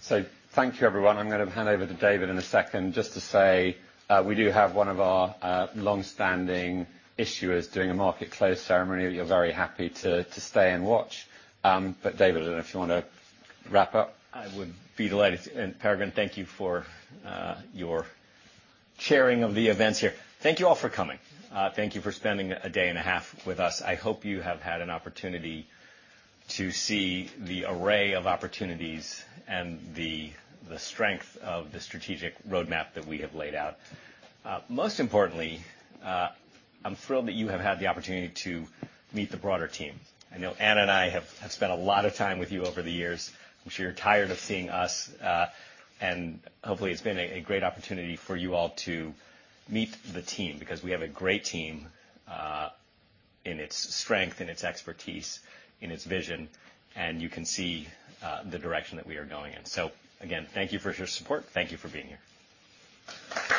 S4: So thank you, everyone. I'm going to hand over to David in a second. Just to say, we do have one of our long-standing issuers doing a market close ceremony. We're very happy to stay and watch. But David, if you want to wrap up.
S5: I would be delighted. Peregrine, thank you for your sharing of the events here. Thank you all for coming. Thank you for spending a day and a half with us. I hope you have had an opportunity to see the array of opportunities and the strength of the strategic roadmap that we have laid out. Most importantly, I'm thrilled that you have had the opportunity to meet the broader team. I know Anna and I have spent a lot of time with you over the years. I'm sure you're tired of seeing us, and hopefully, it's been a great opportunity for you all to meet the team, because we have a great team, in its strength, in its expertise, in its vision, and you can see the direction that we are going in. So again, thank you for your support. Thank you for being here.